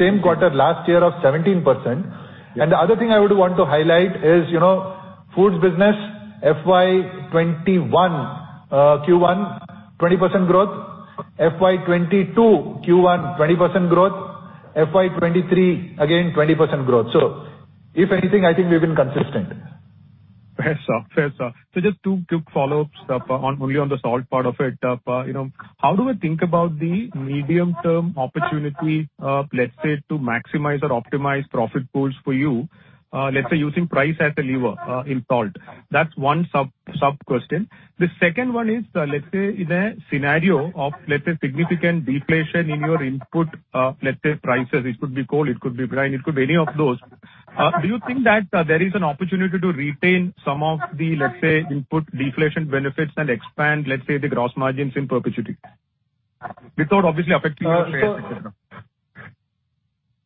same quarter last year of 17%. The other thing I would want to highlight is, you know, foods business, FY 2021 Q1, 20% growth. FY 2022 Q1, 20% growth. FY 2023, again, 20% growth. If anything, I think we've been consistent. Fair sir. Just two quick follow-ups, only on the salt part of it. You know, how do I think about the medium-term opportunity, let's say, to maximize or optimize profit pools for you, let's say using price as a lever, in salt? That's one sub-question. The second one is, let's say in a scenario of, let's say, significant deflation in your input, let's say prices, it could be coal, it could be brine, it could be any of those. Do you think that there is an opportunity to retain some of the, let's say, input deflation benefits and expand, let's say, the gross margins in perpetuity? Without obviously affecting your sales, et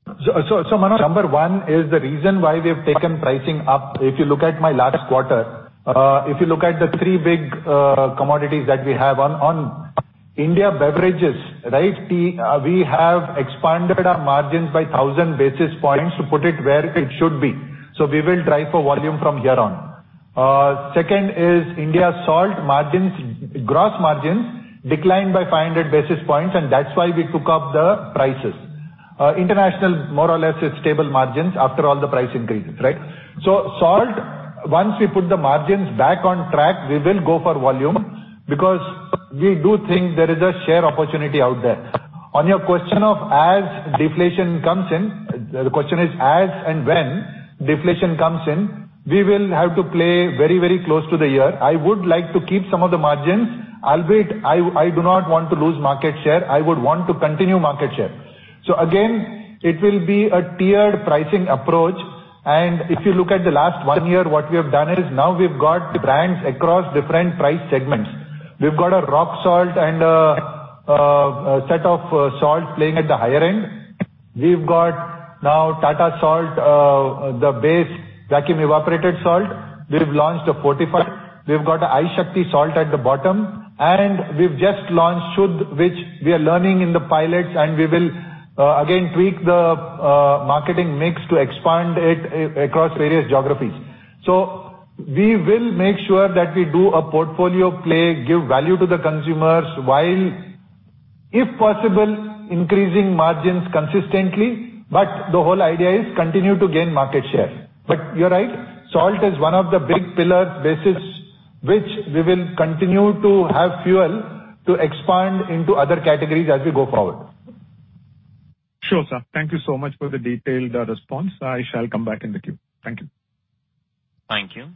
cetera. Manoj, number one is the reason why we have taken pricing up. If you look at the three big commodities that we have on India beverages, right? We have expanded our margins by 1,000 basis points to put it where it should be. We will drive for volume from here on. Second is India salt margins, gross margins declined by 500 basis points, and that's why we took up the prices. International more or less is stable margins after all the price increases, right? Salt, once we put the margins back on track, we will go for volume because we do think there is a share opportunity out there. On your question as deflation comes in, the question is as and when deflation comes in, we will have to play very, very close to the year. I would like to keep some of the margins, albeit I do not want to lose market share. I would want to continue market share. It will be a tiered pricing approach. If you look at the last one year, what we have done is now we've got brands across different price segments. We've got a rock salt and a set of salt playing at the higher end. We've got now Tata Salt, the base vacuum evaporated salt. We've launched a fortified. We've got an I-Shakti salt at the bottom, and we've just launched Shuddh, which we are learning in the pilots, and we will again tweak the marketing mix to expand it across various geographies. We will make sure that we do a portfolio play, give value to the consumers, while, if possible, increasing margins consistently. The whole idea is continue to gain market share. You're right, salt is one of the big pillar bases which we will continue to have fuel to expand into other categories as we go forward. Sure, sir. Thank you so much for the detailed response. I shall come back in the queue. Thank you. Thank you.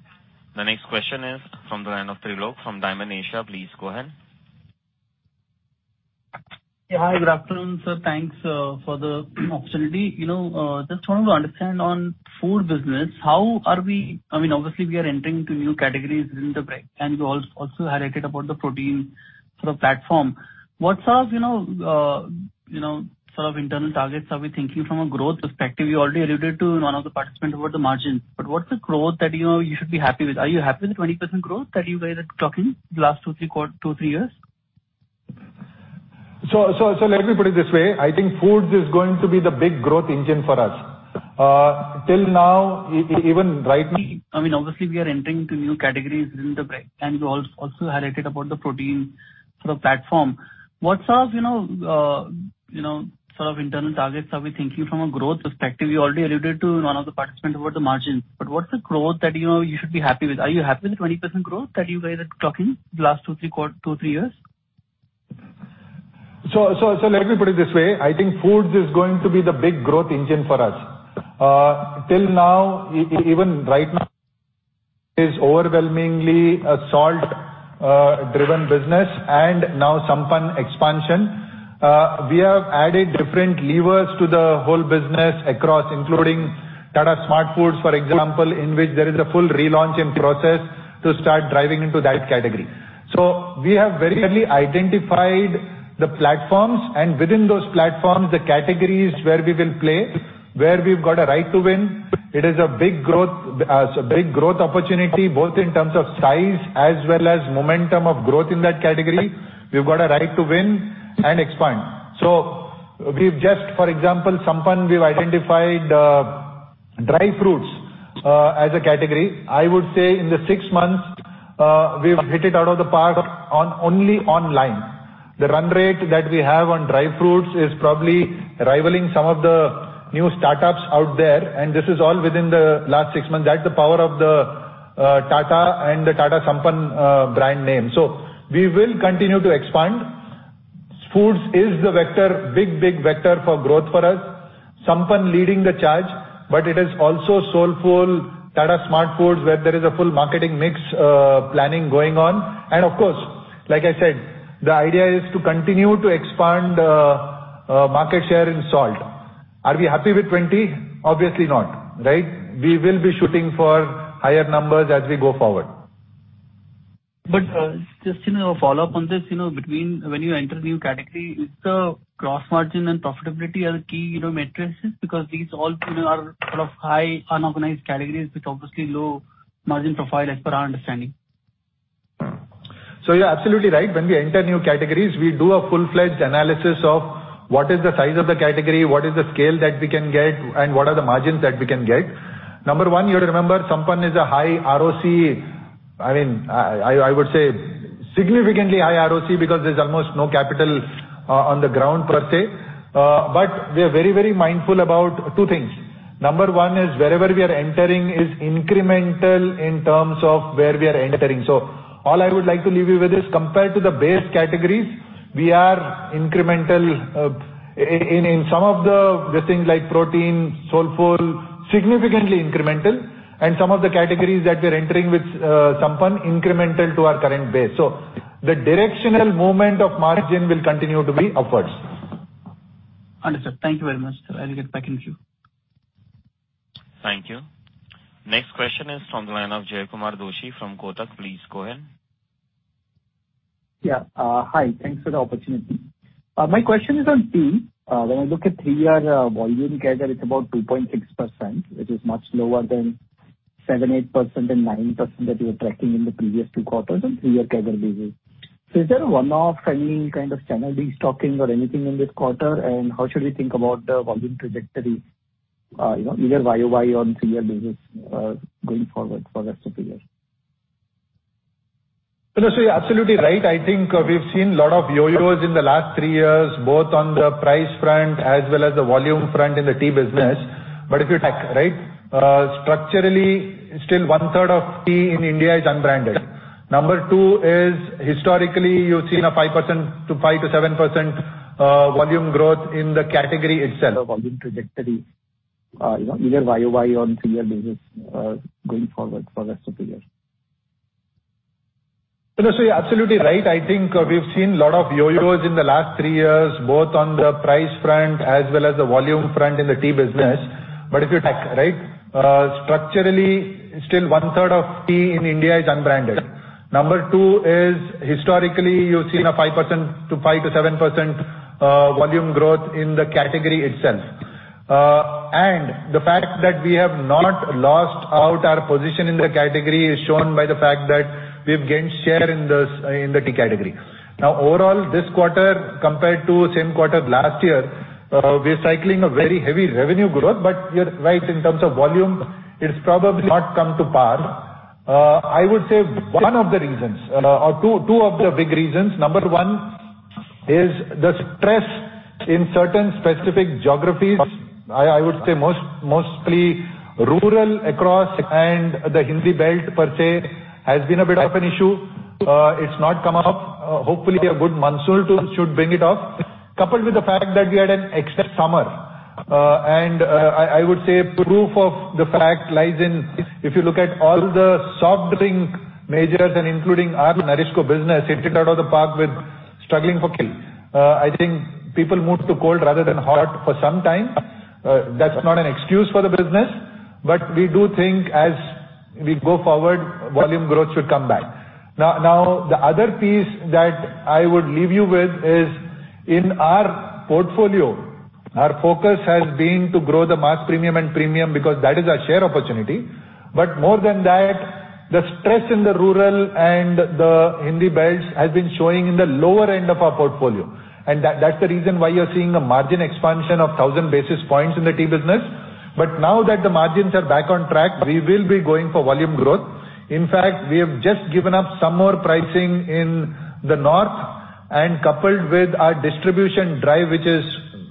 The next question is from the line of Trilok from Dymon Asia. Please go ahead. Yeah. Hi, good afternoon, sir. Thanks for the opportunity. You know, just wanted to understand on food business, how are we? I mean, obviously we are entering into new categories in the branded, and you also highlighted about the protein sort of platform. What are, you know, you know, sort of internal targets are we thinking from a growth perspective? You already alluded to one of the participants about the margin. But what's the growth that, you know, you should be happy with? Are you happy with the 20% growth that you guys are talking about the last two, three years? Let me put it this way. I think foods is going to be the big growth engine for us. Till now, even right- I mean, obviously we are entering into new categories in the branded, and you also highlighted about the protein sort of platform. What are, you know, sort of internal targets are we thinking from a growth perspective? You already alluded to one of the participants about the margin, but what's the growth that, you know, you should be happy with? Are you happy with the 20% growth that you guys are talking the last two, three years? Let me put it this way. I think foods is going to be the big growth engine for us. Till now, even right now is overwhelmingly a salt driven business and now Sampann expansion. We have added different levers to the whole business across including Tata SmartFoodz, for example, in which there is a full relaunch in process to start driving into that category. We have very early identified the platforms, and within those platforms, the categories where we will play, where we've got a right to win. It is a big growth, so big growth opportunity, both in terms of size as well as momentum of growth in that category. We've got a right to win and expand. We've just, for example, Sampann, we've identified dry fruits as a category. I would say in the six months, we've hit it out of the park on only online. The run rate that we have on dry fruits is probably rivaling some of the new startups out there, and this is all within the last six months. That's the power of the Tata and the Tata Sampann brand name. We will continue to expand. Foods is the vector, big, big vector for growth for us. Sampann leading the charge, but it is also Soulfull, Tata SmartFoodz, where there is a full marketing mix planning going on. Of course, like I said, the idea is to continue to expand market share in salt. Are we happy with 20? Obviously not, right? We will be shooting for higher numbers as we go forward. Just, you know, follow up on this, you know, between when you enter new category, is the gross margin and profitability are the key, you know, metrics? Because these all, you know, are sort of high unorganized categories with obviously low margin profile as per our understanding. You're absolutely right. When we enter new categories, we do a full-fledged analysis of what is the size of the category, what is the scale that we can get, and what are the margins that we can get. Number one, you remember Sampann is a high ROCE. I mean, I would say significantly high ROCE because there's almost no capital on the ground per se. But we are very, very mindful about two things. Number one is wherever we are entering is incremental in terms of where we are entering. All I would like to leave you with is compared to the base categories, we are incremental, in some of the things like protein, Soulfull, significantly incremental, and some of the categories that we're entering with, Sampann, incremental to our current base. The directional movement of margin will continue to be upwards. Understood. Thank you very much, sir. I'll get back to you. Thank you. Next question is from the line of Jaykumar Doshi from Kotak. Please go ahead. Yeah. Hi. Thanks for the opportunity. My question is on tea. When I look at three-year volume CAGR, it's about 2.6%. It is much lower than 7%, 8% and 9% that you were tracking in the previous two quarters and three-year CAGR basis. Is there a one-off timing kind of channel destocking or anything in this quarter? How should we think about the volume trajectory, you know, either YOY on three-year basis, going forward for rest of the year? You're absolutely right. I think we've seen a lot of YOYs in the last three years, both on the price front as well as the volume front in the tea business. If you take, right, structurally, still 1/3 of tea in India is unbranded. Number two is historically, you've seen a 5%-7% volume growth in the category itself. Volume trajectory, you know, either YOY on three-year basis, going forward for rest of the year. You're absolutely right. I think we've seen a lot of YOYs in the last three years, both on the price front as well as the volume front in the tea business. If you take, right, structurally, still 1/3 of tea in India is unbranded. Number two is historically, you've seen a 5%-7% volume growth in the category itself. The fact that we have not lost our position in the category is shown by the fact that we've gained share in the tea category. Now, overall, this quarter compared to same quarter last year, we're cycling a very heavy revenue growth, but you're right in terms of volume, it's probably not come up to par. I would say one of the reasons or two of the big reasons. Number one is the stress in certain specific geographies. I would say mostly rural across and the Hindi belt per se has been a bit of an issue. It's not come up. Hopefully, a good monsoon should bring it up. Coupled with the fact that we had an extra summer. Proof of the fact lies in if you look at all the soft drink majors and including our NourishCo business. It hit out of the park while the tea struggled. I think people moved to cold rather than hot for some time. That's not an excuse for the business, but we do think as we go forward, volume growth should come back. Now, the other piece that I would leave you with is in our portfolio, our focus has been to grow the mass premium and premium because that is our share opportunity. More than that, the stress in the rural and the Hindi belts has been showing in the lower end of our portfolio. That's the reason why you're seeing a margin expansion of 1,000 basis points in the tea business. Now that the margins are back on track, we will be going for volume growth. In fact, we have just given up some more pricing in the north and coupled with our distribution drive, which is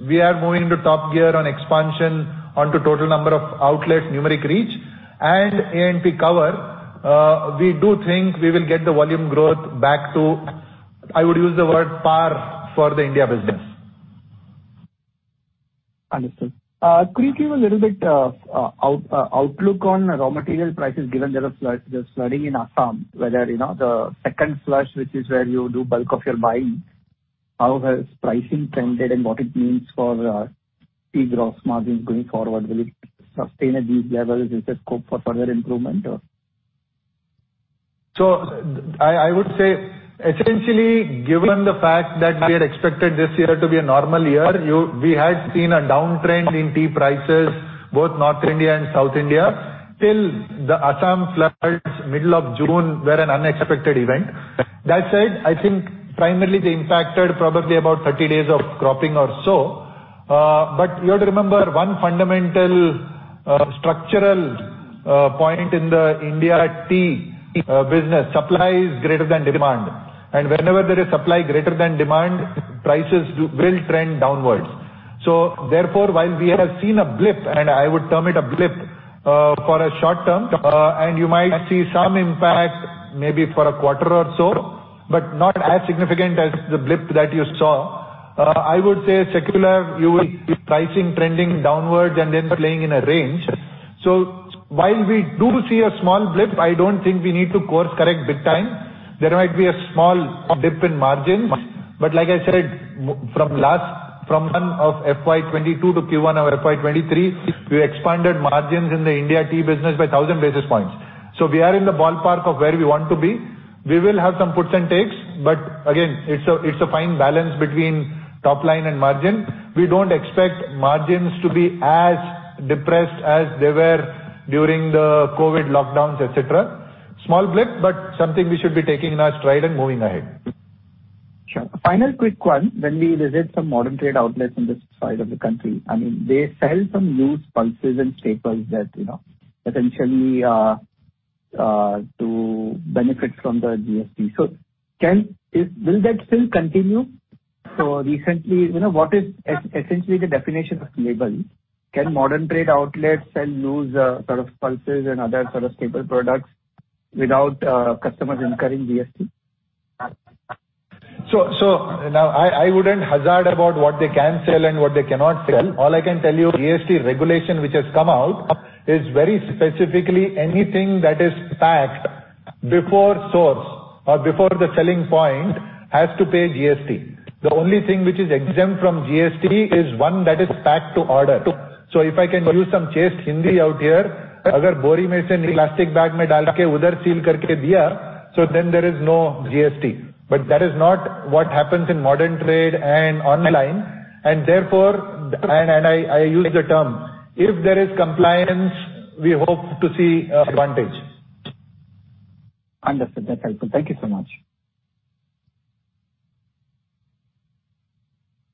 we are moving to top gear on expansion onto total number of outlets, numeric reach and A&P cover, we do think we will get the volume growth back to, I would use the word par for the India business. Understood. Could you give a little bit, outlook on raw material prices, given there are floods, there's flooding in Assam, weather, you know, the second flush, which is where you do bulk of your buying, how has pricing trended and what it means for, tea gross margins going forward? Will it sustain at these levels? Is there scope for further improvement or? I would say essentially, given the fact that we had expected this year to be a normal year, we had seen a downtrend in tea prices, both North India and South India, till the Assam floods, middle of June, were an unexpected event. That said, I think primarily they impacted probably about 30 days of cropping or so. But you have to remember one fundamental, structural, point in the Indian tea business. Supply is greater than demand, and whenever there is supply greater than demand, prices will trend downwards. Therefore, while we have seen a blip, and I would term it a blip, for a short term, and you might see some impact maybe for a quarter or so, but not as significant as the blip that you saw. I would say secular, you will see pricing trending downwards and then playing in a range. While we do see a small blip, I don't think we need to course correct big time. There might be a small dip in margins, but like I said, from Q1 of FY 2022 to Q1 of FY 2023, we expanded margins in the India tea business by 1,000 basis points. We are in the ballpark of where we want to be. We will have some puts and takes, but again, it's a fine balance between top line and margin. We don't expect margins to be as depressed as they were during the COVID lockdowns, et cetera. Small blip, but something we should be taking in our stride and moving ahead. Sure. Final quick one. When we visit some modern trade outlets in this side of the country, I mean, they sell some loose pulses and staples that, you know, essentially are to benefit from the GST. Will that still continue? Recently, you know, what is essentially the definition of label? Can modern trade outlets sell loose sort of pulses and other sort of staple products without customers incurring GST? Now I wouldn't hazard about what they can sell and what they cannot sell. All I can tell you, GST regulation which has come out is very specifically anything that is packed before source or before the selling point has to pay GST. The only thing which is exempt from GST is one that is packed to order. If I can use some chaste Hindi out here, then there is no GST. But that is not what happens in modern trade and online. Therefore, I use the term, if there is compliance, we hope to see advantage. Understood. That's helpful. Thank you so much.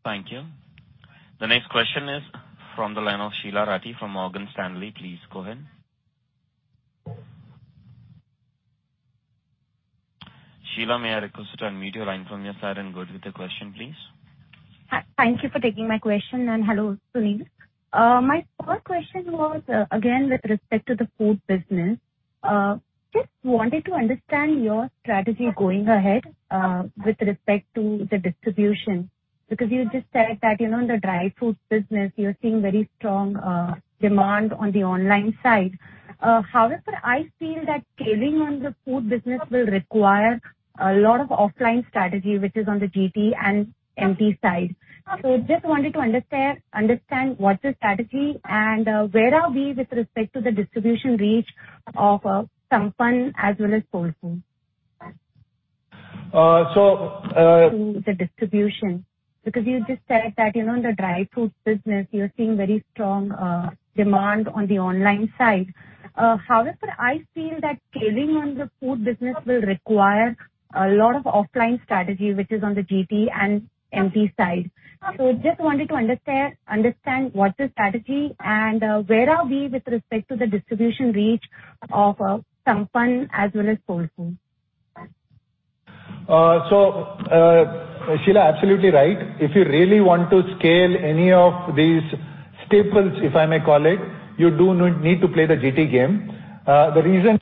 Thank you. The next question is from the line of Sheela Rathi from Morgan Stanley. Please go ahead. Sheela, may I request you to unmute your line from your side and go with the question, please. Thank you for taking my question, and hello, Sunil. My first question was, again, with respect to the food business. Just wanted to understand your strategy going ahead, with respect to the distribution, because you just said that, you know, in the dry foods business you're seeing very strong demand on the online side. However, I feel that scaling on the food business will require a lot of offline strategy, which is on the GT and MT side. Just wanted to understand what's the strategy and, where are we with respect to the distribution reach of, Sampann as well as Soulfull? Uh, so, uh- The distribution, because you just said that, you know, in the dry foods business you're seeing very strong demand on the online side. However, I feel that scaling on the food business will require a lot of offline strategy, which is on the GT and MT side. Just wanted to understand what's the strategy and where are we with respect to the distribution reach of Sampann as well as Soulfull? Sheela, absolutely right. If you really want to scale any of these staples, if I may call it, you do need to play the GT game. The reason-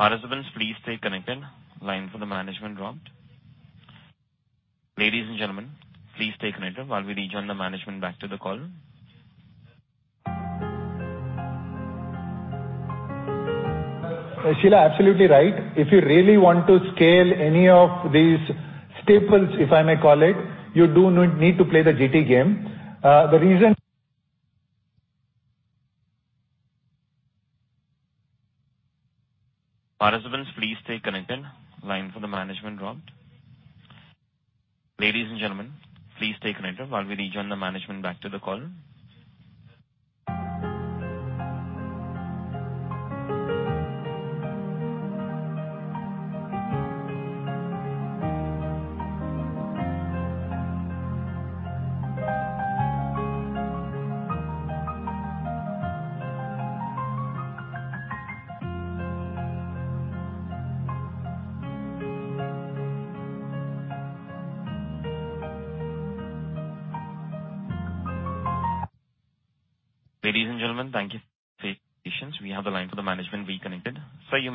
Participants, please stay connected. Line for the management dropped. Ladies and gentlemen, please stay connected while we rejoin the management back to the call. Sheela, absolutely right. If you really want to scale any of these staples, if I may call it, you do need to play the GT game. The reason- Participants, please stay connected. Line for the management dropped. Ladies and gentlemen, please stay connected while we rejoin the management back to the call.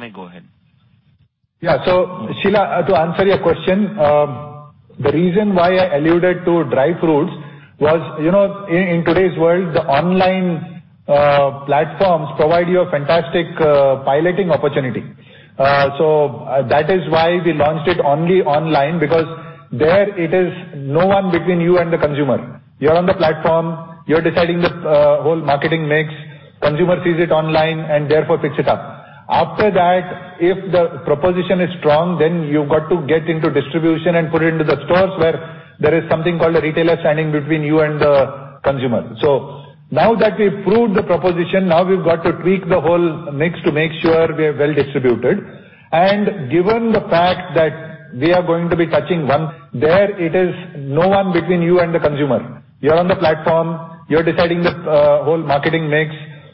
Ladies and gentlemen, thank you for your patience. We have the line for the management reconnected. Sir, you may go ahead. Yeah. Sheila, to answer your question, the reason why I alluded to dry fruits was, you know, in today's world, the online platforms provide you a fantastic piloting opportunity. That is why we launched it only online because there it is no one between you and the consumer. You're on the platform, you're deciding the whole marketing mix. Consumer sees it online and therefore picks it up. After that, if the proposition is strong, then you've got to get into distribution and put it into the stores where there is something called a retailer standing between you and the consumer. Now that we've proved the proposition, now we've got to tweak the whole mix to make sure we are well distributed. Given the fact that we are going to be touching one. There is no one between you and the consumer. You're on the platform, you're deciding the whole marketing mix.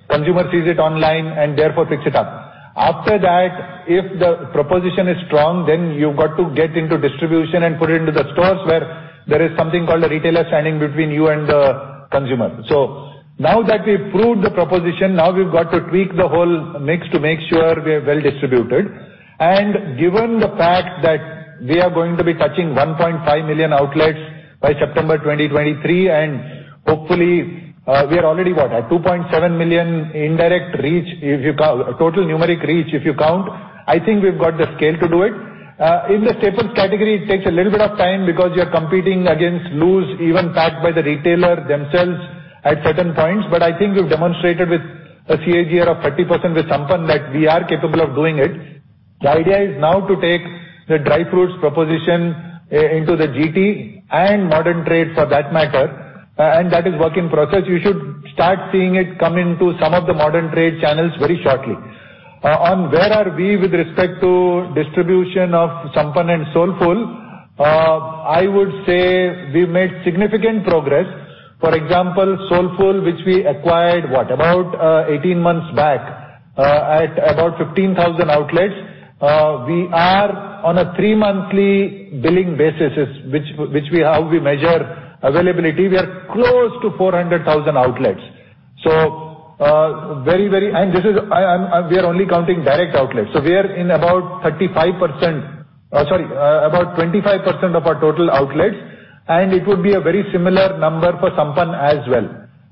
Consumer sees it online and therefore picks it up. After that, if the proposition is strong, then you've got to get into distribution and put it into the stores where there is something called a retailer standing between you and the consumer. Now that we've proved the proposition, now we've got to tweak the whole mix to make sure we are well distributed. Given the fact that we are going to be touching 1.5 million outlets by September 2023, and hopefully, we are already what? At 2.7 million indirect reach if you count total numeric reach, if you count. I think we've got the scale to do it. In the staples category it takes a little bit of time because you're competing against loose even packed by the retailer themselves at certain points. I think we've demonstrated with a CAGR of 30% with Sampann that we are capable of doing it. The idea is now to take the dry fruits proposition into the GT and modern trade for that matter, and that is work in process. You should start seeing it come into some of the modern trade channels very shortly. On where are we with respect to distribution of Sampann and Soulfull, I would say we've made significant progress. For example, Soulfull which we acquired what? About 18 months back, at about 15,000 outlets. We are on a three-monthly billing basis which is how we measure availability. We are close to 400,000 outlets. This is we are only counting direct outlets, so we are in about 25% of our total outlets, and it would be a very similar number for Sampann as well.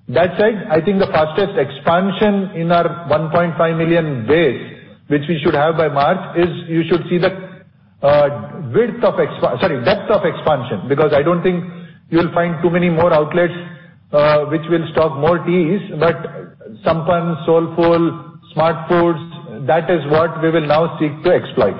That said, I think the fastest expansion in our 1.5 million base which we should have by March is you should see the depth of expansion because I don't think you'll find too many more outlets which will stock more teas but Sampann, Soulfull, SmartFoodz that is what we will now seek to exploit.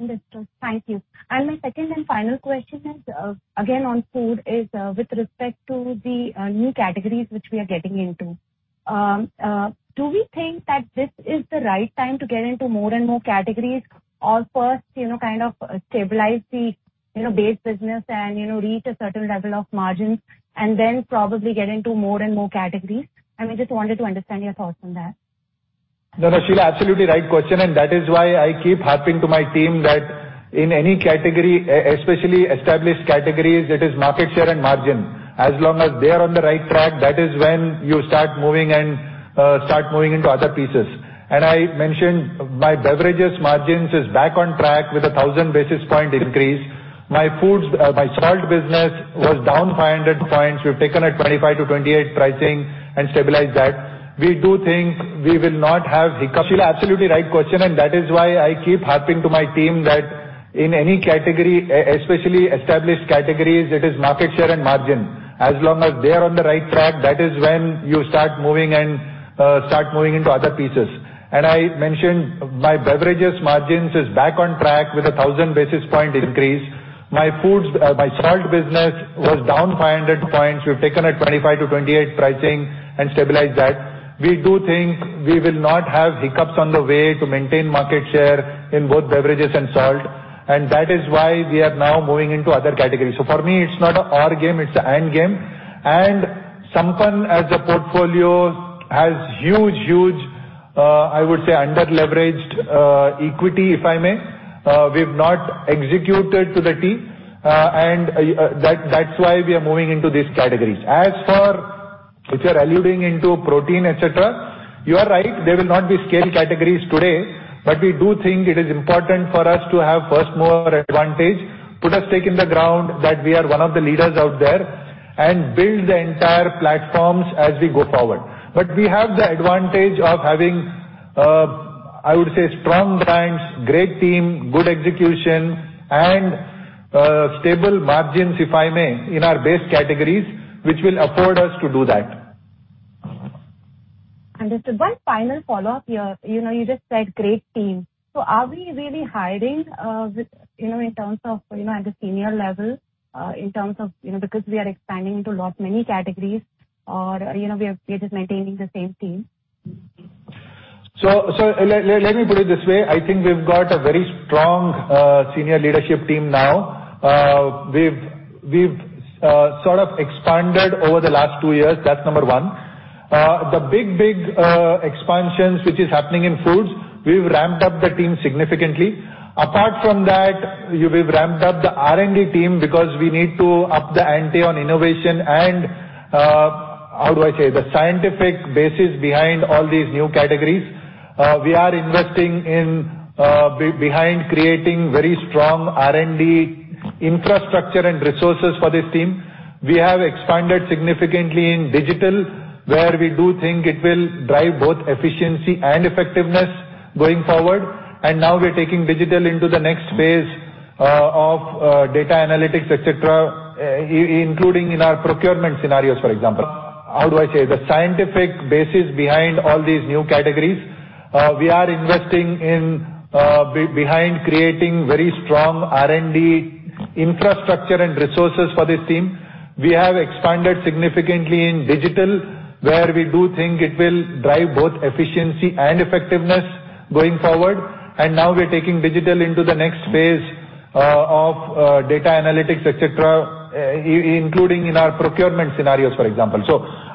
Understood. Thank you. My second and final question is, again on food is, with respect to the, new categories which we are getting into. Do we think that this is the right time to get into more and more categories or first, you know, kind of stabilize the, you know, base business and you know, reach a certain level of margins and then probably get into more and more categories? We just wanted to understand your thoughts on that. No, no, Sheila, absolutely right question and that is why I keep harping to my team that in any category especially established categories it is market share and margin. As long as they are on the right track that is when you start moving into other pieces. I mentioned my beverages margins is back on track with a 1,000 basis point increase. My foods, my salt business was down 500 points. We've taken a 25-28 pricing and stabilized that. We do think we will not have hiccups. I mentioned my beverages margins is back on track with a 1,000 basis points increase. My foods, my salt business was down 500 points. We've taken a 25-28 pricing and stabilized that. We do think we will not have hiccups on the way to maintain market share in both beverages and salt and that is why we are now moving into other categories. For me it's not a or game it's an and game. Sampann as a portfolio has huge, huge, I would say underleveraged, equity if I may. We've not executed to the tea, and that's why we are moving into these categories. As for which you're alluding to protein et cetera, you are right they will not be scale categories today. We do think it is important for us to have first mover advantage, put a stake in the ground that we are one of the leaders out there and build the entire platforms as we go forward. We have the advantage of having, I would say, strong brands, great team, good execution and, stable margins if I may in our base categories which will afford us to do that. Understood. One final follow up here. You know you just said great team. Are we really hiring at the senior level because we are expanding into lot many categories or you know we are just maintaining the same team? Let me put it this way: I think we've got a very strong senior leadership team now. We've sort of expanded over the last two years. That's number one. The big expansions which is happening in foods, we've ramped up the team significantly. Apart from that, we've ramped up the R&D team because we need to up the ante on innovation and how do I say? The scientific basis behind all these new categories. We are investing in behind creating very strong R&D infrastructure and resources for this team. We have expanded significantly in digital, where we do think it will drive both efficiency and effectiveness going forward. Now we're taking digital into the next phase of data analytics, et cetera, including in our procurement scenarios, for example. How do I say? The scientific basis behind all these new categories. We are investing in behind creating very strong R&D infrastructure and resources for this team. We have expanded significantly in digital, where we do think it will drive both efficiency and effectiveness going forward. Now we're taking digital into the next phase, of data analytics, et cetera, including in our procurement scenarios, for example.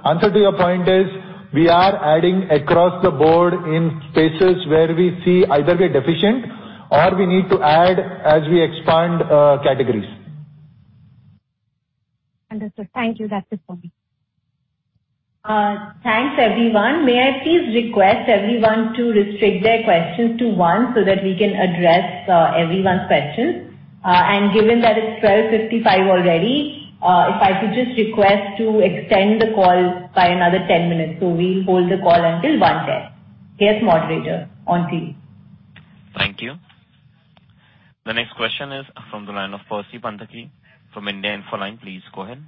Answer to your point is, we are adding across the board in spaces where we see either we're deficient or we need to add as we expand, categories. Understood. Thank you. That's it for me. Thanks, everyone. May I please request everyone to restrict their questions to one so that we can address everyone's questions. Given that it's 12:55 P.M. already, if I could just request to extend the call by another 10 minutes. We'll hold the call until 1:10 P.M. Yes, moderator, on to you. Thank you. The next question is from the line of Percy Panthaki from India Infoline. Please go ahead.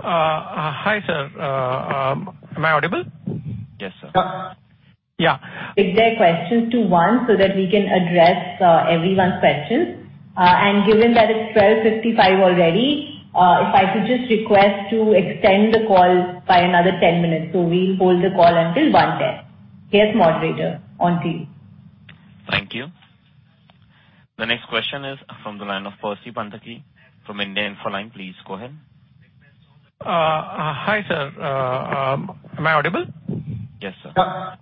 Hi, sir. Am I audible? Yes, sir. Yeah. Restrict their questions to one so that we can address everyone's questions. Given that it's 12:55 P.M. already, if I could just request to extend the call by another 10 minutes. We'll hold the call until 1:10 P.M. Yes, moderator, on to you. Thank you. The next question is from the line of Percy Panthaki from India Infoline. Please go ahead. Hi, sir. Am I audible? Yes, sir.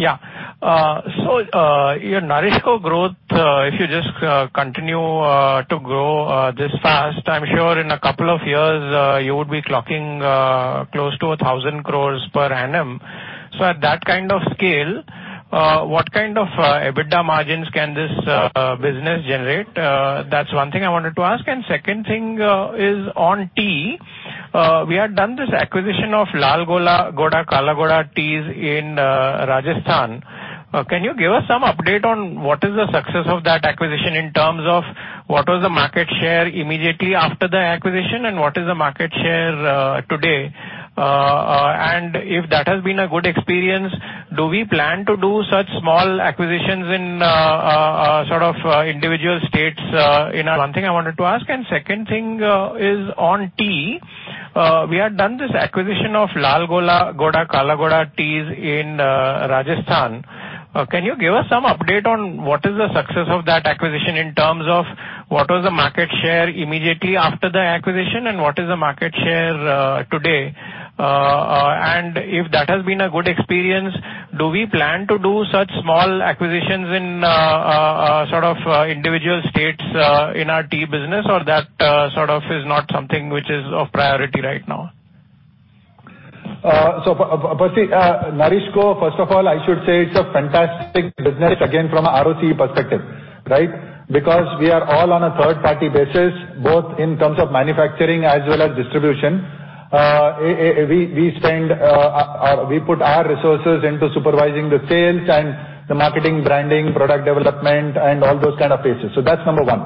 Yeah, your NourishCo growth, if you just continue to grow this fast, I'm sure in a couple of years you would be clocking close to 1,000 crores per annum. At that kind of scale, what kind of EBITDA margins can this business generate? That's one thing I wanted to ask. Second thing is on tea. We had done this acquisition of Lal Ghoda and Kala Ghoda teas in Rajasthan. Can you give us some update on what is the success of that acquisition in terms of what was the market share immediately after the acquisition and what is the market share today? If that has been a good experience, do we plan to do such small acquisitions in sort of individual states? One thing I wanted to ask, and second thing is on tea. We had done this acquisition of Lal Ghoda, Kala Ghoda teas in Rajasthan. Can you give us some update on what is the success of that acquisition in terms of what was the market share immediately after the acquisition and what is the market share today? If that has been a good experience, do we plan to do such small acquisitions in sort of individual states in our tea business? Or that sort of is not something which is of priority right now? Percy, NourishCo, first of all, I should say it's a fantastic business, again, from a ROCE perspective, right? Because we are all on a third-party basis, both in terms of manufacturing as well as distribution. We put our resources into supervising the sales and the marketing, branding, product development, and all those kind of pieces. That's number one.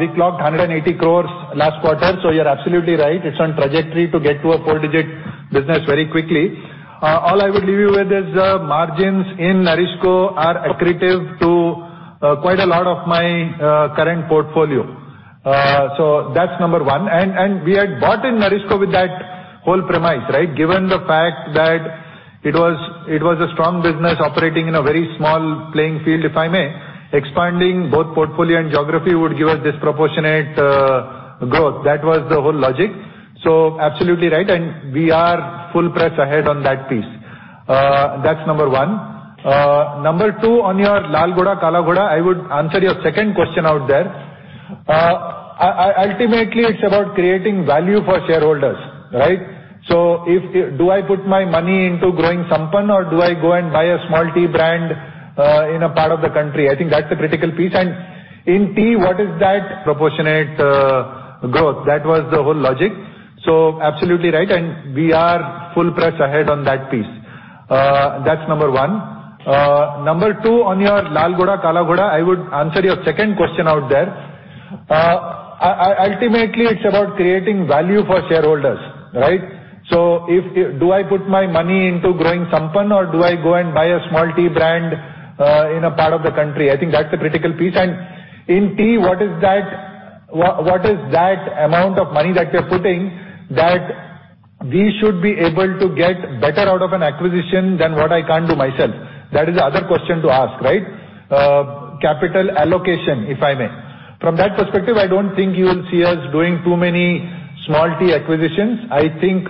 We clocked 180 crores last quarter, so you're absolutely right. It's on trajectory to get to a four-digit business very quickly. All I would leave you with is, margins in NourishCo are accretive to quite a lot of my current portfolio. That's number one. We had bought in NourishCo with that whole premise, right? Given the fact that it was a strong business operating in a very small playing field, if I may. Expanding both portfolio and geography would give us disproportionate growth. That was the whole logic. Absolutely right, and we are full press ahead on that piece. That's number one. Number two, on your Lal Ghoda, Kala Ghoda, I would answer your second question out there. Ultimately, it's about creating value for shareholders, right? Do I put my money into growing Sampann or do I go and buy a small tea brand in a part of the country? I think that's the critical piece. In tea, what is that disproportionate growth. That was the whole logic. Absolutely right, and we are full press ahead on that piece. That's number one. Number two, on your Lal Ghoda, Kala Ghoda, I would answer your second question out there. Ultimately, it's about creating value for shareholders, right? Do I put my money into growing Sampann or do I go and buy a small tea brand in a part of the country? I think that's the critical piece. In tea, what is that amount of money that we're putting that we should be able to get better out of an acquisition than what I can't do myself? That is the other question to ask, right? Capital allocation, if I may. From that perspective, I don't think you will see us doing too many small tea acquisitions. I think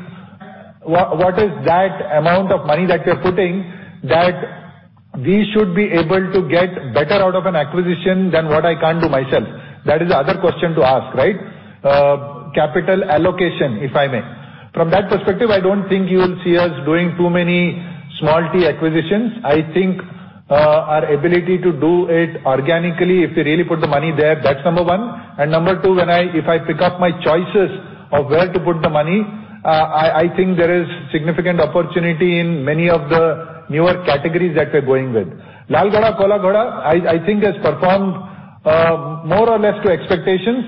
what is that amount of money that we are putting that we should be able to get better out of an acquisition than what I can't do myself? That is the other question to ask, right? Capital allocation, if I may. From that perspective, I don't think you will see us doing too many small tea acquisitions. I think our ability to do it organically if we really put the money there, that's number one. Number two, when I if I pick up my choices of where to put the money, I think there is significant opportunity in many of the newer categories that we're going with. Lal Ghoda Kala Ghoda, I think has performed more or less to expectations.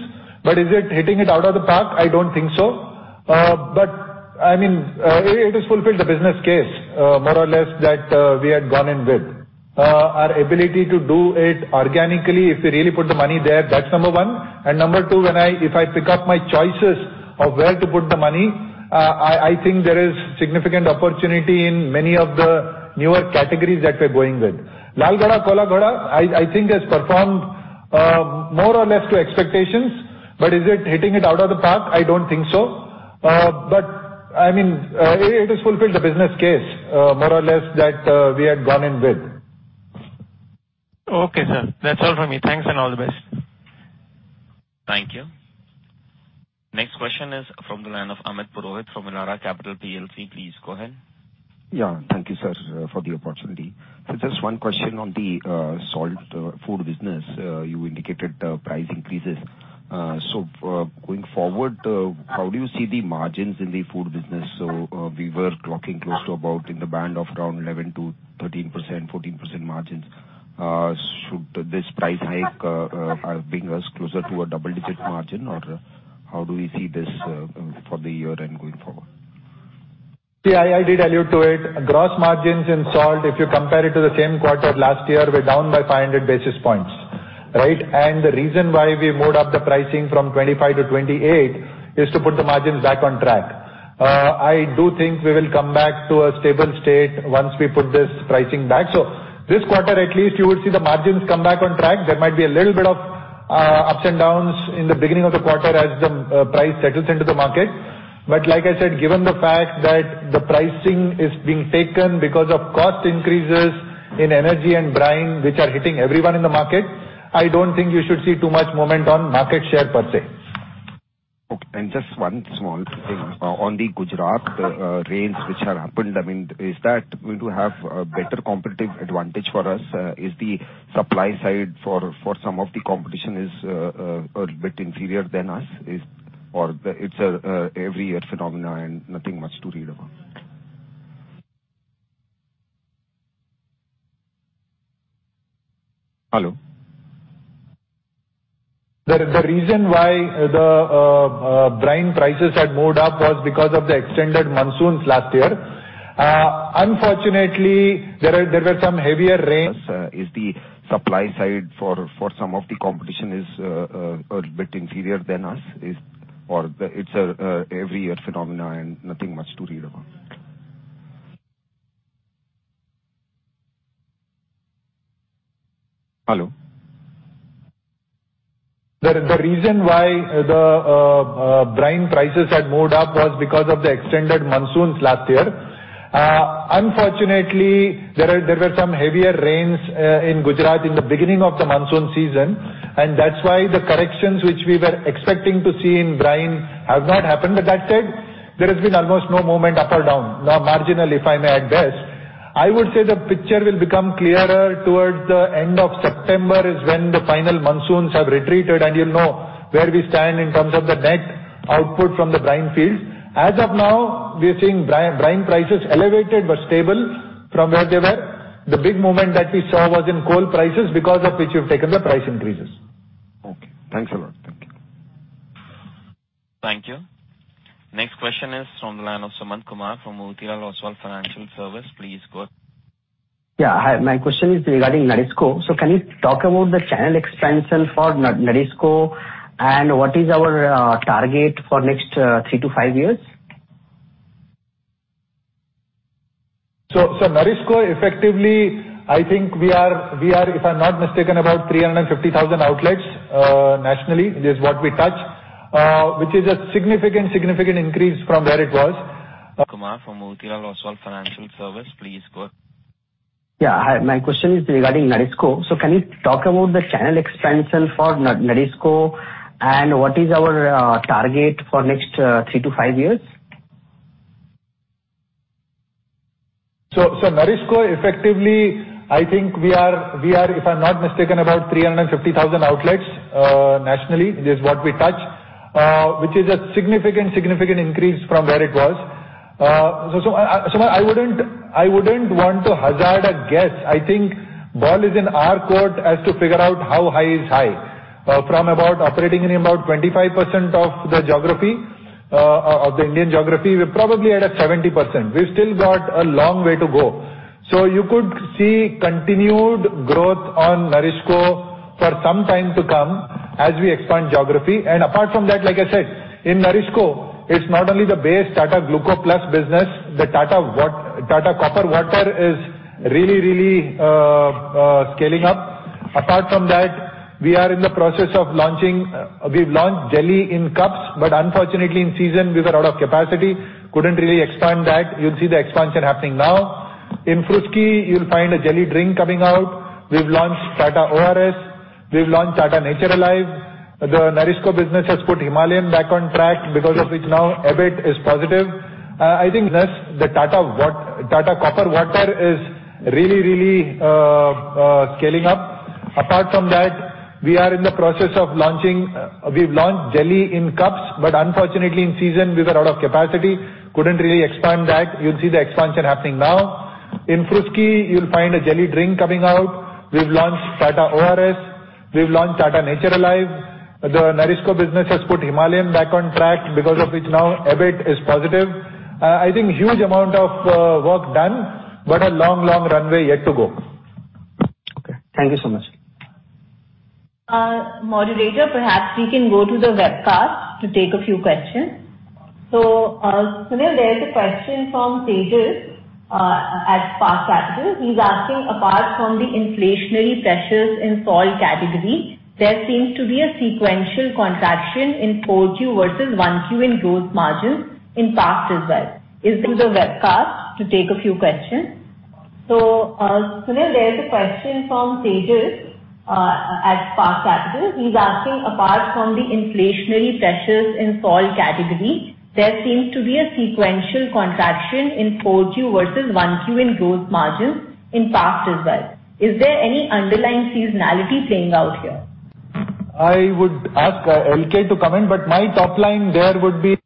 Is it hitting it out of the park? I don't think so. I mean, it has fulfilled the business case, more or less that we had gone in with. Our ability to do it organically if we really put the money there, that's number one. Number two, if I pick up my choices of where to put the money, I think there is significant opportunity in many of the newer categories that we're going with. Lal Ghoda, Kala Ghoda, I think has performed, more or less to expectations. Is it hitting it out of the park? I don't think so. I mean, it has fulfilled the business case, more or less that we had gone in with. Okay, sir. That's all from me. Thanks and all the best. Thank you. Next question is from the line of Amit Purohit from Elara Capital PLC. Please go ahead. Yeah. Thank you, sir, for the opportunity. Just one question on the salt food business. You indicated price increases. Going forward, how do you see the margins in the food business? We were clocking close to about in the band of around 11%-13%, 14% margins. Should this price hike bring us closer to a double-digit margin, or how do we see this for the year and going forward? Yeah. I did allude to it. Gross margins in salt, if you compare it to the same quarter last year, we're down by 500 basis points, right? The reason why we moved up the pricing from 25 to 28 is to put the margins back on track. I do think we will come back to a stable state once we put this pricing back. This quarter at least you will see the margins come back on track. There might be a little bit of ups and downs in the beginning of the quarter as the price settles into the market. Like I said, given the fact that the pricing is being taken because of cost increases in energy and brine, which are hitting everyone in the market, I don't think you should see too much movement on market share per se. Okay. Just one small thing on the Gujarat rains which have happened. I mean, is that going to have a better competitive advantage for us? Is the supply side for some of the competition a bit inferior than us? Or it's a every year phenomena and nothing much to read about? Hello? The reason why the brine prices had moved up was because of the extended monsoons last year. Unfortunately, there were some heavier rains- Is the supply side for some of the competition a bit inferior than us? It's a every year phenomenon and nothing much to read about? Hello? The reason why the brine prices had moved up was because of the extended monsoons last year. Unfortunately, there were some heavier rains in Gujarat in the beginning of the monsoon season, and that's why the corrections which we were expecting to see in brine have not happened. That said, there has been almost no movement up or down. Marginally, if I may add this. I would say the picture will become clearer towards the end of September, is when the final monsoons have retreated and you'll know where we stand in terms of the net output from the brine fields. As of now, we are seeing brine prices elevated but stable from where they were. The big movement that we saw was in coal prices because of which we've taken the price increases. Okay. Thanks a lot. Thank you. Thank you. Next question is from the line of Sumant Kumar from Motilal Oswal Financial Services. Please go ahead. Yeah. Hi, my question is regarding NourishCo. Can you talk about the channel expansion for NourishCo and what is our target for next three to five years? NourishCo effectively, I think we are, if I'm not mistaken, about 350,000 outlets nationally. This is what we touch, which is a significant increase from where it was. Kumar from Motilal Oswal Financial Services. Please go ahead. Hi, my question is regarding NourishCo. Can you talk about the channel expansion for NourishCo and what is our target for next three to five years? NourishCo effectively, I think we are, if I'm not mistaken, about 350,000 outlets nationally. This is what we touch, which is a significant increase from where it was. Sumant, I wouldn't want to hazard a guess. I think ball is in our court as to figure out how high is high. From operating in about 25% of the geography of the Indian geography, we're probably at 70%. We've still got a long way to go. You could see continued growth on NourishCo for some time to come as we expand geography. Apart from that, like I said, in NourishCo, it's not only the base Tata Gluco+ business, the Tata Copper+ water is really scaling up. Apart from that, we are in the process of launching. We've launched jelly in cups, but unfortunately, in season we were out of capacity, couldn't really expand that. You'll see the expansion happening now. In Fruski, you'll find a jelly drink coming out. We've launched Tata ORS. We've launched Tata Nature Alive. The NourishCo business has put Himalayan back on track because of which now EBIT is positive. I think this, Tata Copper+ water is really scaling up. Apart from that, we are in the process of launching. We've launched jelly in cups, but unfortunately, in season we were out of capacity, couldn't really expand that. You'll see the expansion happening now. In Fruski, you'll find a jelly drink coming out. We've launched Tata ORS. We've launched Tata Nature Alive. The NourishCo business has put Himalayan back on track because of which now EBIT is positive. I think huge amount of work done, but a long runway yet to go. Okay. Thank you so much. Moderator, perhaps we can go to the webcast to take a few questions. Sunil, there is a question from Tejas at Spark Capital. He's asking: Apart from the inflationary pressures in salt category, there seems to be a sequential contraction in Q4 versus Q1 in gross margins in the past as well. Is there any underlying seasonality playing out here? I would ask LK to comment, but my top line there would be.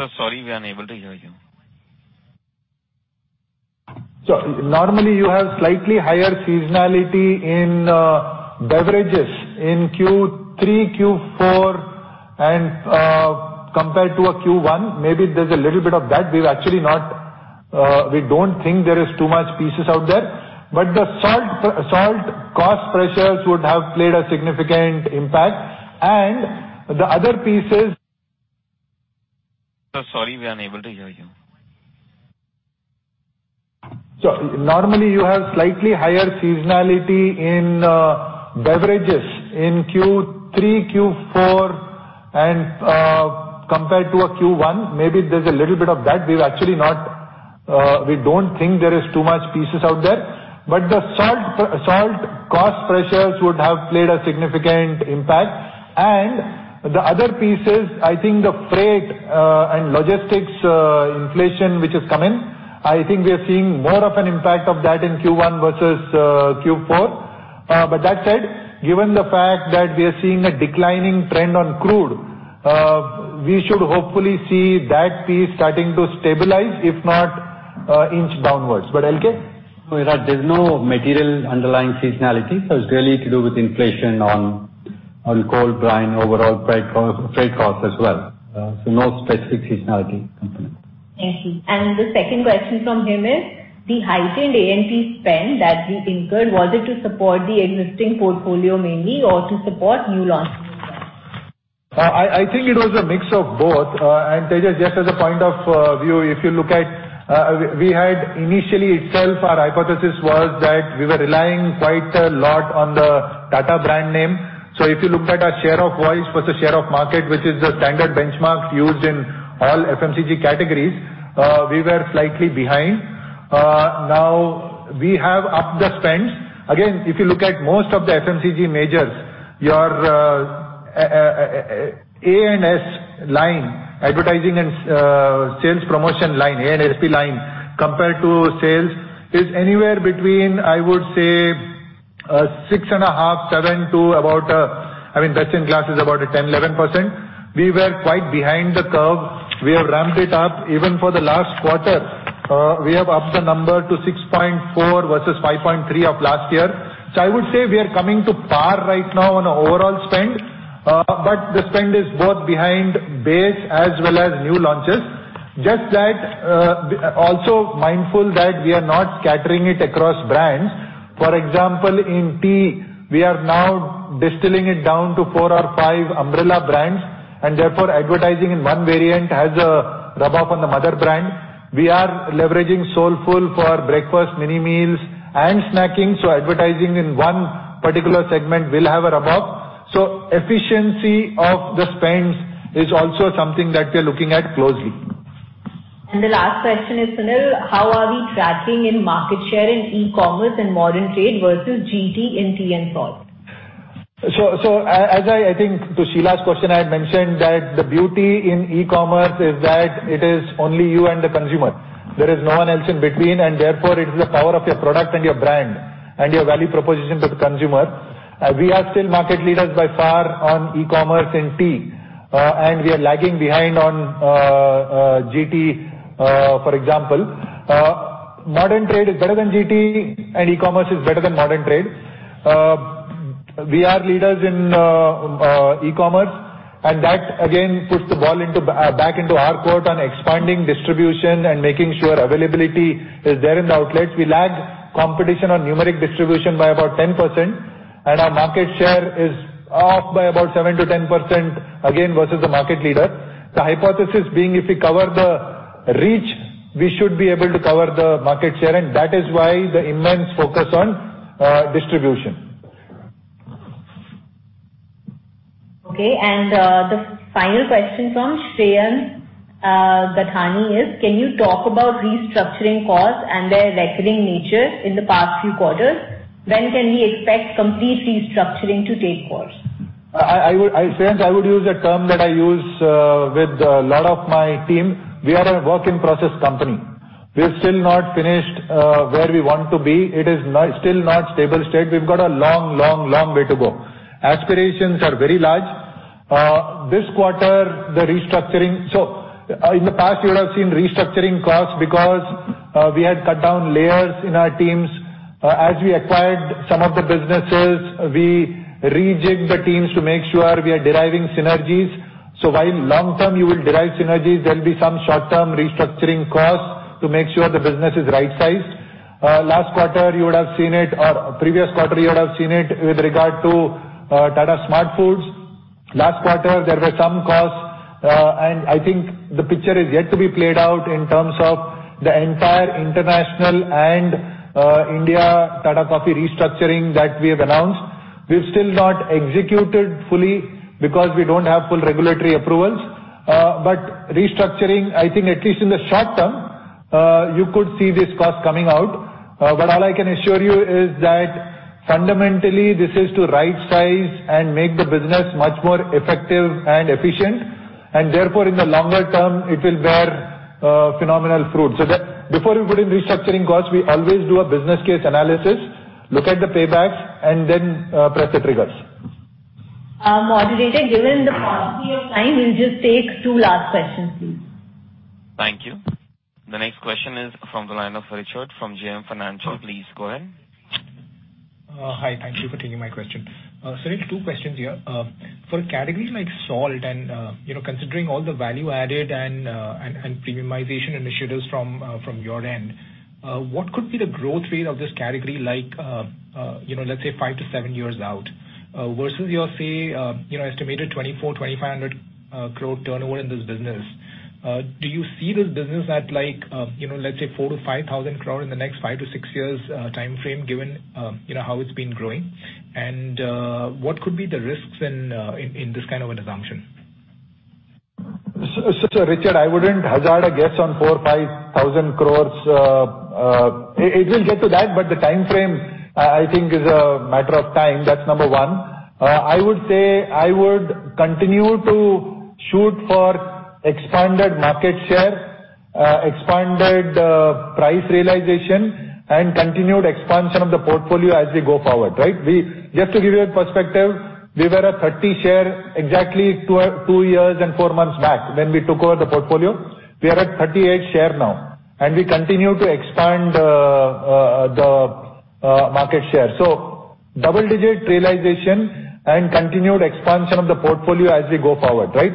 Sir, sorry, we are unable to hear you. Normally you have slightly higher seasonality in beverages in Q3, Q4 and compared to a Q1. Maybe there's a little bit of that. We don't think there is too much basis out there. The salt cost pressures would have played a significant impact. Sir, sorry, we are unable to hear you. Normally you have slightly higher seasonality in beverages in Q3, Q4 and compared to a Q1. Maybe there's a little bit of that. We don't think there is too much pieces out there. The salt cost pressures would have played a significant impact. The other pieces, I think the freight and logistics inflation, which is coming, I think we are seeing more of an impact of that in Q1 versus Q4. That said, given the fact that we are seeing a declining trend on crude, we should hopefully see that piece starting to stabilize, if not inch downwards. L.K.? No, there's no material underlying seasonality. It's really to do with inflation on coal, brine, overall freight costs as well. No specific seasonality component. Thank you. The second question from him is: The heightened A&P spend that you incurred, was it to support the existing portfolio mainly or to support new launches as well? I think it was a mix of both. Tejas, just as a point of view, if you look at, we had initially itself our hypothesis was that we were relying quite a lot on the Tata brand name. So if you looked at our share of voice versus share of market, which is the standard benchmark used in all FMCG categories, we were slightly behind. Now we have upped the spends. Again, if you look at most of the FMCG majors, your A&SP line, advertising and sales promotion line, A&SP line compared to sales is anywhere between, I would say, 6.5%, 7% to about. I mean, best in class is about 10%-11%. We were quite behind the curve. We have ramped it up. Even for the last quarter, we have upped the number to 6.4% versus 5.3% of last year. I would say we are coming to par right now on overall spend, but the spend is both behind base as well as new launches. Just that, also mindful that we are not scattering it across brands. For example, in tea, we are now distilling it down to four or five umbrella brands, and therefore advertising in one variant has a rub-off on the mother brand. We are leveraging Soulfull for breakfast, mini meals and snacking, so advertising in one particular segment will have a rub-off. Efficiency of the spends is also something that we're looking at closely. The last question is, Sunil: How are we tracking in market share in e-commerce and modern trade versus GT in tea and salt? I think to Sheela's question, I had mentioned that the beauty in e-commerce is that it is only you and the consumer. There is no one else in between, and therefore it is the power of your product and your brand and your value proposition to the consumer. We are still market leaders by far on e-commerce in tea, and we are lagging behind on GT, for example. Modern trade is better than GT and e-commerce is better than modern trade. We are leaders in e-commerce, and that again puts the ball into back into our court on expanding distribution and making sure availability is there in the outlets. We lag competition on numeric distribution by about 10%, and our market share is off by about 7%-10%, again, versus the market leader. The hypothesis being if we cover the reach, we should be able to cover the market share, and that is why the immense focus on distribution. Okay. The final question from Shreyan Ghatani is: Can you talk about restructuring costs and their recurring nature in the past few quarters? When can we expect complete restructuring to take course? Shreyan, I would use a term that I use with a lot of my team. We are a work in process company. We're still not finished where we want to be. It's still not stable state. We've got a long way to go. Aspirations are very large. This quarter, the restructuring. In the past, you would have seen restructuring costs because we had cut down layers in our teams. As we acquired some of the businesses, we rejig the teams to make sure we are deriving synergies. While long-term you will derive synergies, there'll be some short-term restructuring costs to make sure the business is right-sized. Last quarter you would have seen it, or previous quarter you would have seen it with regard to Tata SmartFoodz. Last quarter there were some costs, and I think the picture is yet to be played out in terms of the entire international and India Tata Coffee restructuring that we have announced. We've still not executed fully because we don't have full regulatory approvals. Restructuring, I think at least in the short term, you could see these costs coming out. All I can assure you is that fundamentally this is to right size and make the business much more effective and efficient. Therefore, in the longer term, it will bear phenomenal fruit. That before we put in restructuring costs, we always do a business case analysis, look at the paybacks and then press the triggers. Moderator, given the paucity of time, we'll just take two last questions, please. Thank you. The next question is from the line of Richard from JM Financial. Please go ahead. Hi. Thank you for taking my question. Sunil, two questions here. For a category like salt and, you know, considering all the value added and premiumization initiatives from your end, what could be the growth rate of this category like, you know, let's say five to seven years out, versus your, say, you know, estimated 2,400-2,500 crore turnover in this business. Do you see this business at like, you know, let's say 4,000 crore-5,000 crore in the next five to six years timeframe given, you know, how it's been growing? What could be the risks in this kind of an assumption? Richard, I wouldn't hazard a guess on 4,000 crore-5,000 crore. It will get to that, but the timeframe, I think is a matter of time. That's number one. I would say I would continue to shoot for expanded market share, expanded price realization and continued expansion of the portfolio as we go forward, right? Just to give you a perspective, we were at 30% share exactly two years and four months back when we took over the portfolio. We are at 38% share now, and we continue to expand the market share. Double digit realization and continued expansion of the portfolio as we go forward, right?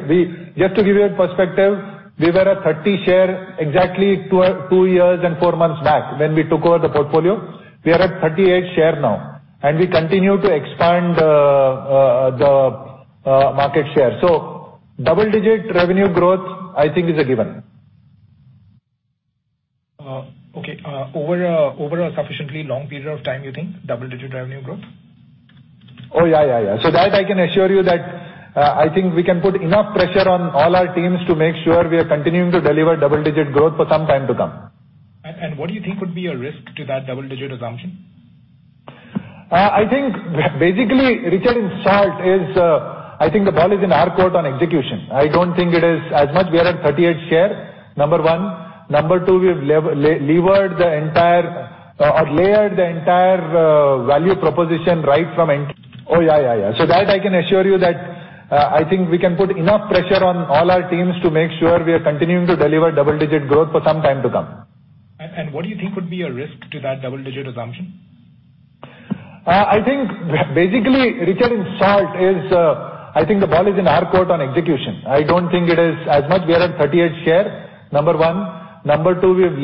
Just to give you a perspective, we were at 30% share exactly two years and four months back when we took over the portfolio. We are at 38% share now, and we continue to expand the market share. Double-digit revenue growth I think is a given. Okay. Over a sufficiently long period of time, you think double-digit revenue growth? Oh, yeah, yeah. So that I can assure you that, I think we can put enough pressure on all our teams to make sure we are continuing to deliver double digit growth for some time to come. What do you think would be a risk to that double digit assumption? I think basically, Richard, in salt, I think the ball is in our court on execution. I don't think it is as much. We are at 38% share, number one. Number two, we've layered the entire value proposition. I can assure you that I think we can put enough pressure on all our teams to make sure we are continuing to deliver double-digit growth for some time to come. What do you think would be a risk to that double digit assumption? I think basically, Richard, in salt, it's I think the ball is in our court on execution. I don't think it is as much. We are at 38% share, number one. Number two, we've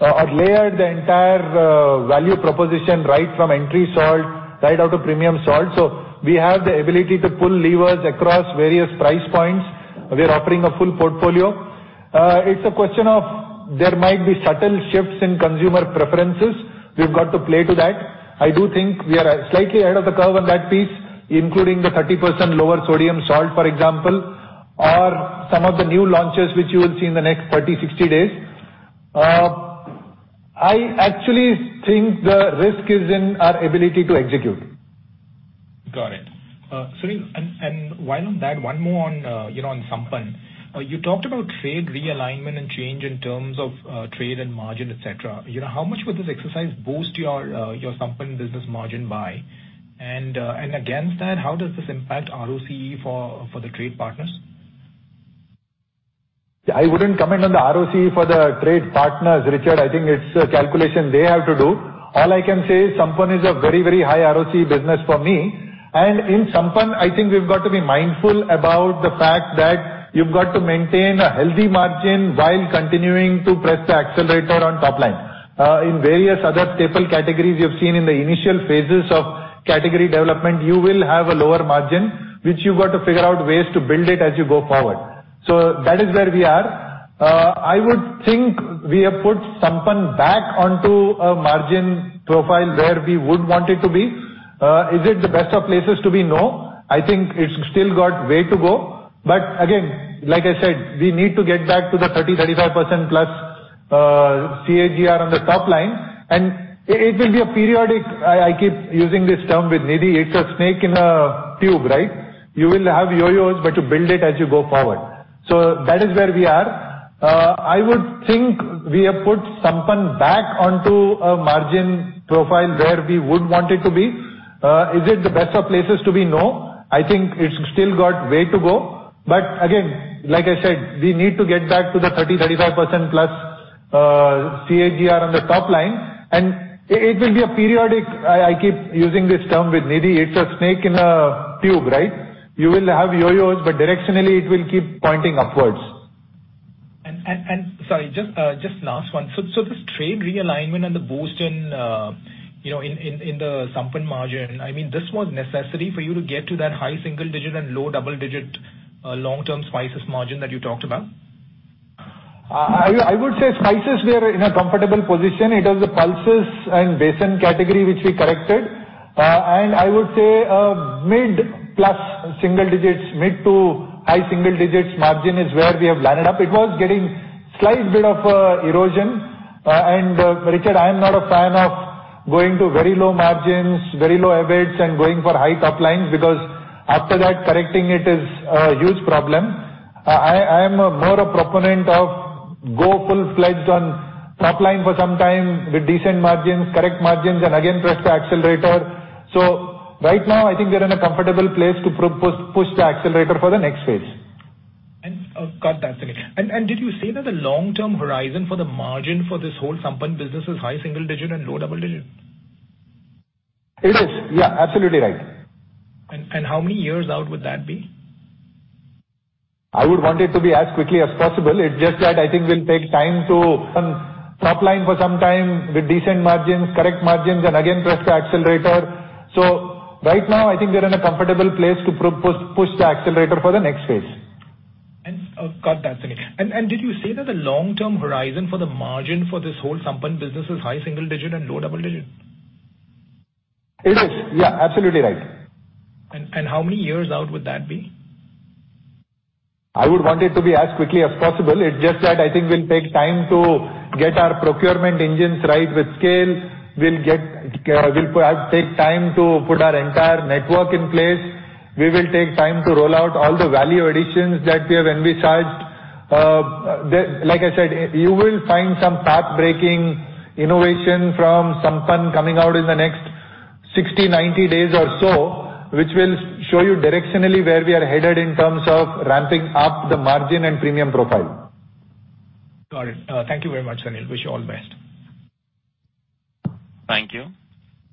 layered the entire value proposition right from entry salt right up to premium salt. So we have the ability to pull levers across various price points. We're offering a full portfolio. It's a question of there might be subtle shifts in consumer preferences. We've got to play to that. I do think we are slightly ahead of the curve on that piece, including the 30% lower sodium salt, for example, or some of the new launches which you will see in the next 30, 60 days. I actually think the risk is in our ability to execute. Got it. Sunil, and while on that, one more on, you know, on Sampann. You talked about trade realignment and change in terms of trade and margin, et cetera. You know, how much would this exercise boost your Sampann business margin by? And against that, how does this impact ROCE for the trade partners? I wouldn't comment on the ROCE for the trade partners, Richard. I think it's a calculation they have to do. All I can say is Sampann is a very, very high ROCE business for me. In Sampann, I think we've got to be mindful about the fact that you've got to maintain a healthy margin while continuing to press the accelerator on top line. In various other staple categories you've seen in the initial phases of category development, you will have a lower margin, which you've got to figure out ways to build it as you go forward. That is where we are. I would think we have put Sampann back onto a margin profile where we would want it to be. Is it the best of places to be? No. I think it's still got way to go. Again, like I said, we need to get back to the 30%-35%+ CAGR on the top line. It will be periodic. I keep using this term with Nidhi. It's a snake in a tube, right? You will have yo-yos, but you build it as you go forward. That is where we are. I would think we have put Sampann back onto a margin profile where we would want it to be. Is it the best of places to be? No. I think it's still got way to go. Again, like I said, we need to get back to the 30%-35%+ CAGR on the top line. It will be periodic. I keep using this term with Nidhi. It's a snake in a tube, right? You will have yo-yos, but directionally it will keep pointing upwards. Sorry, just last one. The trade realignment and the boost in, you know, the Sampann margin, I mean, this was necessary for you to get to that high single digit and low double digit, long-term spices margin that you talked about? I would say spices were in a comfortable position. It was the pulses and besan category which we corrected. I would say a mid- plus single digits, mid- to high-single digits margin is where we have landed up. It was getting a slight bit of erosion. Richard, I am not a fan of going to very low margins, very low EBITs and going for high top lines, because after that, correcting it is a huge problem. I am more a proponent of go full-fledged on top line for some time with decent margins, correct margins and again press the accelerator. Right now, I think we are in a comfortable place to push the accelerator for the next phase. Got that. Did you say that the long-term horizon for the margin for this whole Sampann business is high single digit and low double digit? It is. Yeah, absolutely right. How many years out would that be? I would want it to be as quickly as possible. It's just that I think we'll take time to top line for some time with decent margins, correct margins and again press the accelerator. Right now, I think we are in a comfortable place to push the accelerator for the next phase. Got that. Did you say that the long-term horizon for the margin for this whole Sampann business is high single digit and low double digit? It is. Yeah, absolutely right. How many years out would that be? I would want it to be as quickly as possible. It's just that I think we'll take time to get our procurement engines right with scale. We'll take time to put our entire network in place. We will take time to roll out all the value additions that we have envisaged. Like I said, you will find some path-breaking innovation from Sampann coming out in the next 60, 90 days or so, which will show you directionally where we are headed in terms of ramping up the margin and premium profile. Got it. Thank you very much, Sunil. Wish you all the best. Thank you.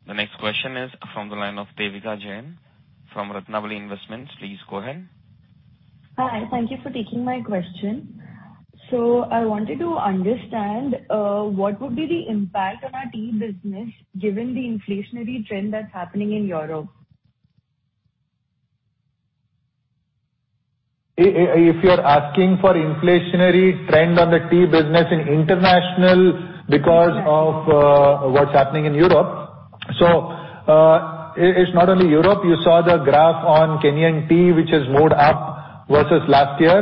The next question is from the line of Devika Jain from Ratnabali Investments. Please go ahead. Hi, thank you for taking my question. I wanted to understand what would be the impact on our tea business given the inflationary trend that's happening in Europe? If you're asking for inflationary trend on the tea business in international because of what's happening in Europe. It's not only Europe. You saw the graph on Kenyan tea, which has moved up versus last year.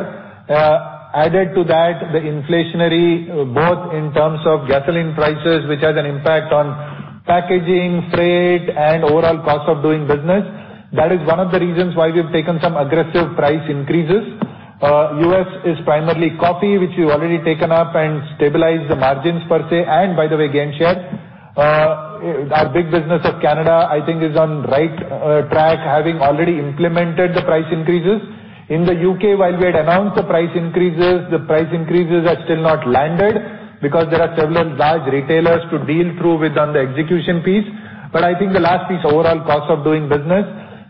Added to that, the inflationary both in terms of gasoline prices, which has an impact on packaging, freight, and overall cost of doing business. That is one of the reasons why we've taken some aggressive price increases. U.S. is primarily coffee, which we've already taken up and stabilized the margins per se. By the way, gained share. Our big business of Canada, I think is on right track, having already implemented the price increases. In the U.K., while we had announced the price increases, the price increases are still not landed because there are several large retailers to deal through with on the execution piece. I think the last piece, overall cost of doing business,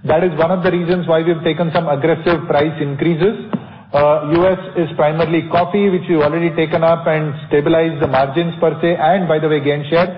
that is one of the reasons why we've taken some aggressive price increases. U.S. is primarily coffee, which we've already taken up and stabilized the margins per se. By the way, gained share.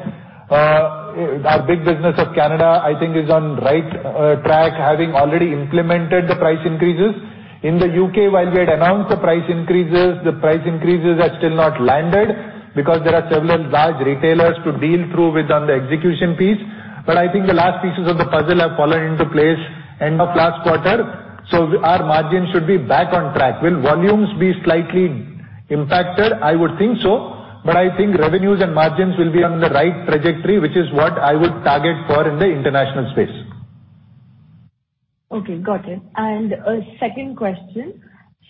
Our big business of Canada, I think is on the right track, having already implemented the price increases. In the U.K., while we had announced the price increases, the price increases are still not landed because there are several large retailers to deal through with on the execution piece. I think the last pieces of the puzzle have fallen into place end of last quarter, so our margins should be back on track. Will volumes be slightly impacted? I would think so. I think revenues and margins will be on the right trajectory, which is what I would target for in the international space. Okay, got it. A second question.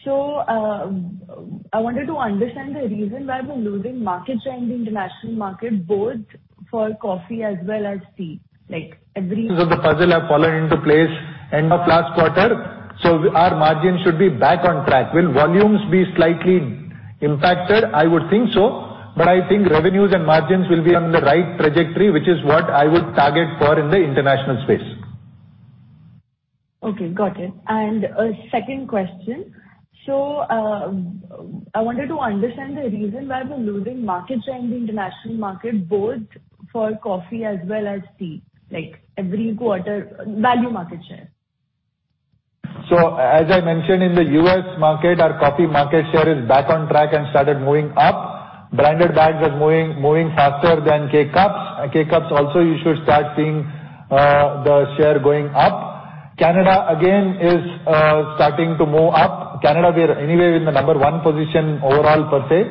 I wanted to understand the reason why we're losing market share in the international market, both for coffee as well as tea. Like every- Pieces of the puzzle have fallen into place, end of last quarter, so our margins should be back on track. Will volumes be slightly impacted? I would think so, but I think revenues and margins will be on the right trajectory, which is what I would target for in the international space. Okay, got it. A second question. I wanted to understand the reason why we're losing market share in the international market, both for coffee as well as tea, like every quarter, value market share. As I mentioned, in the U.S. market, our coffee market share is back on track and started moving up. Branded bags was moving faster than K Cups. K Cups also you should start seeing the share going up. Canada again is starting to move up. Canada, we're anyway in the number one position overall per se.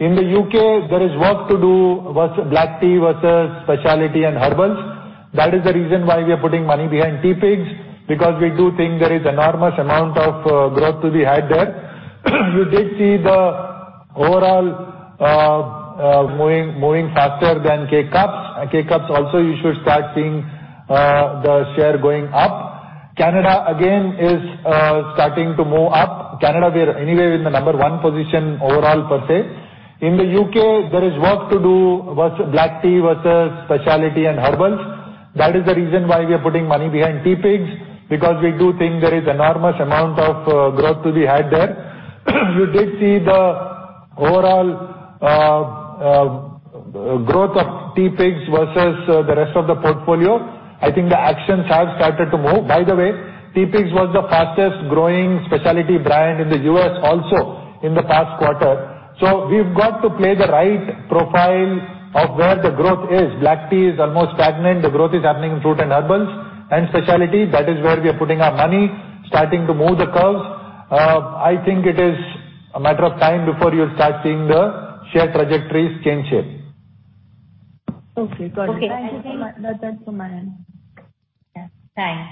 In the U.K., there is work to do versus black tea versus specialty and herbals. That is the reason why we are putting money behind Teapigs, because we do think there is enormous amount of growth to be had there. We did see the overall moving faster than K Cups. K Cups also you should start seeing the share going up. Canada again is starting to move up. Canada, we're anyway in the number one position overall per se. In the U.K., there is work to do versus black tea versus specialty and herbals. That is the reason why we are putting money behind Teapigs, because we do think there is enormous amount of growth to be had there. We did see the overall growth of Teapigs versus the rest of the portfolio. I think the actions have started to move. By the way, Teapigs was the fastest growing specialty brand in the U.S. also in the past quarter. So we've got to play the right profile of where the growth is. Black tea is almost stagnant. The growth is happening in fruit and herbals and specialty. That is where we are putting our money, starting to move the curves. I think it is a matter of time before you'll start seeing the share trajectories gain shape. Okay, got it. Okay, thank you. That's all from my end. Yeah. Thanks.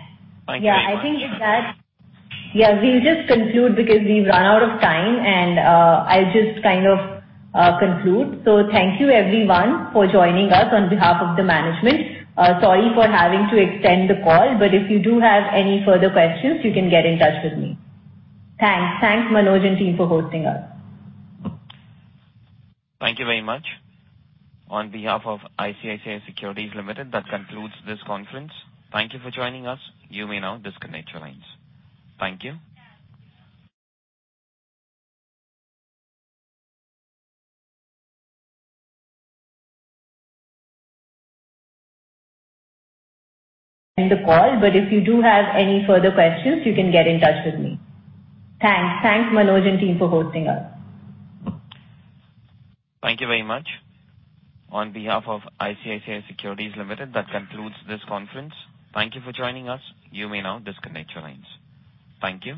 Thank you very much. Yeah, I think with that. Yeah, we'll just conclude because we've run out of time and, I'll just kind of conclude. Thank you, everyone, for joining us on behalf of the management. Sorry for having to extend the call, but if you do have any further questions, you can get in touch with me. Thanks. Thanks, Manoj and team for hosting us. Thank you very much. On behalf of ICICI Securities Limited, that concludes this conference. Thank you for joining us. You may now disconnect your lines. Thank you. End the call, but if you do have any further questions, you can get in touch with me. Thanks. Thanks, Manoj and team, for hosting us. Thank you very much. On behalf of ICICI Securities Limited, that concludes this conference. Thank you for joining us. You may now disconnect your lines. Thank you.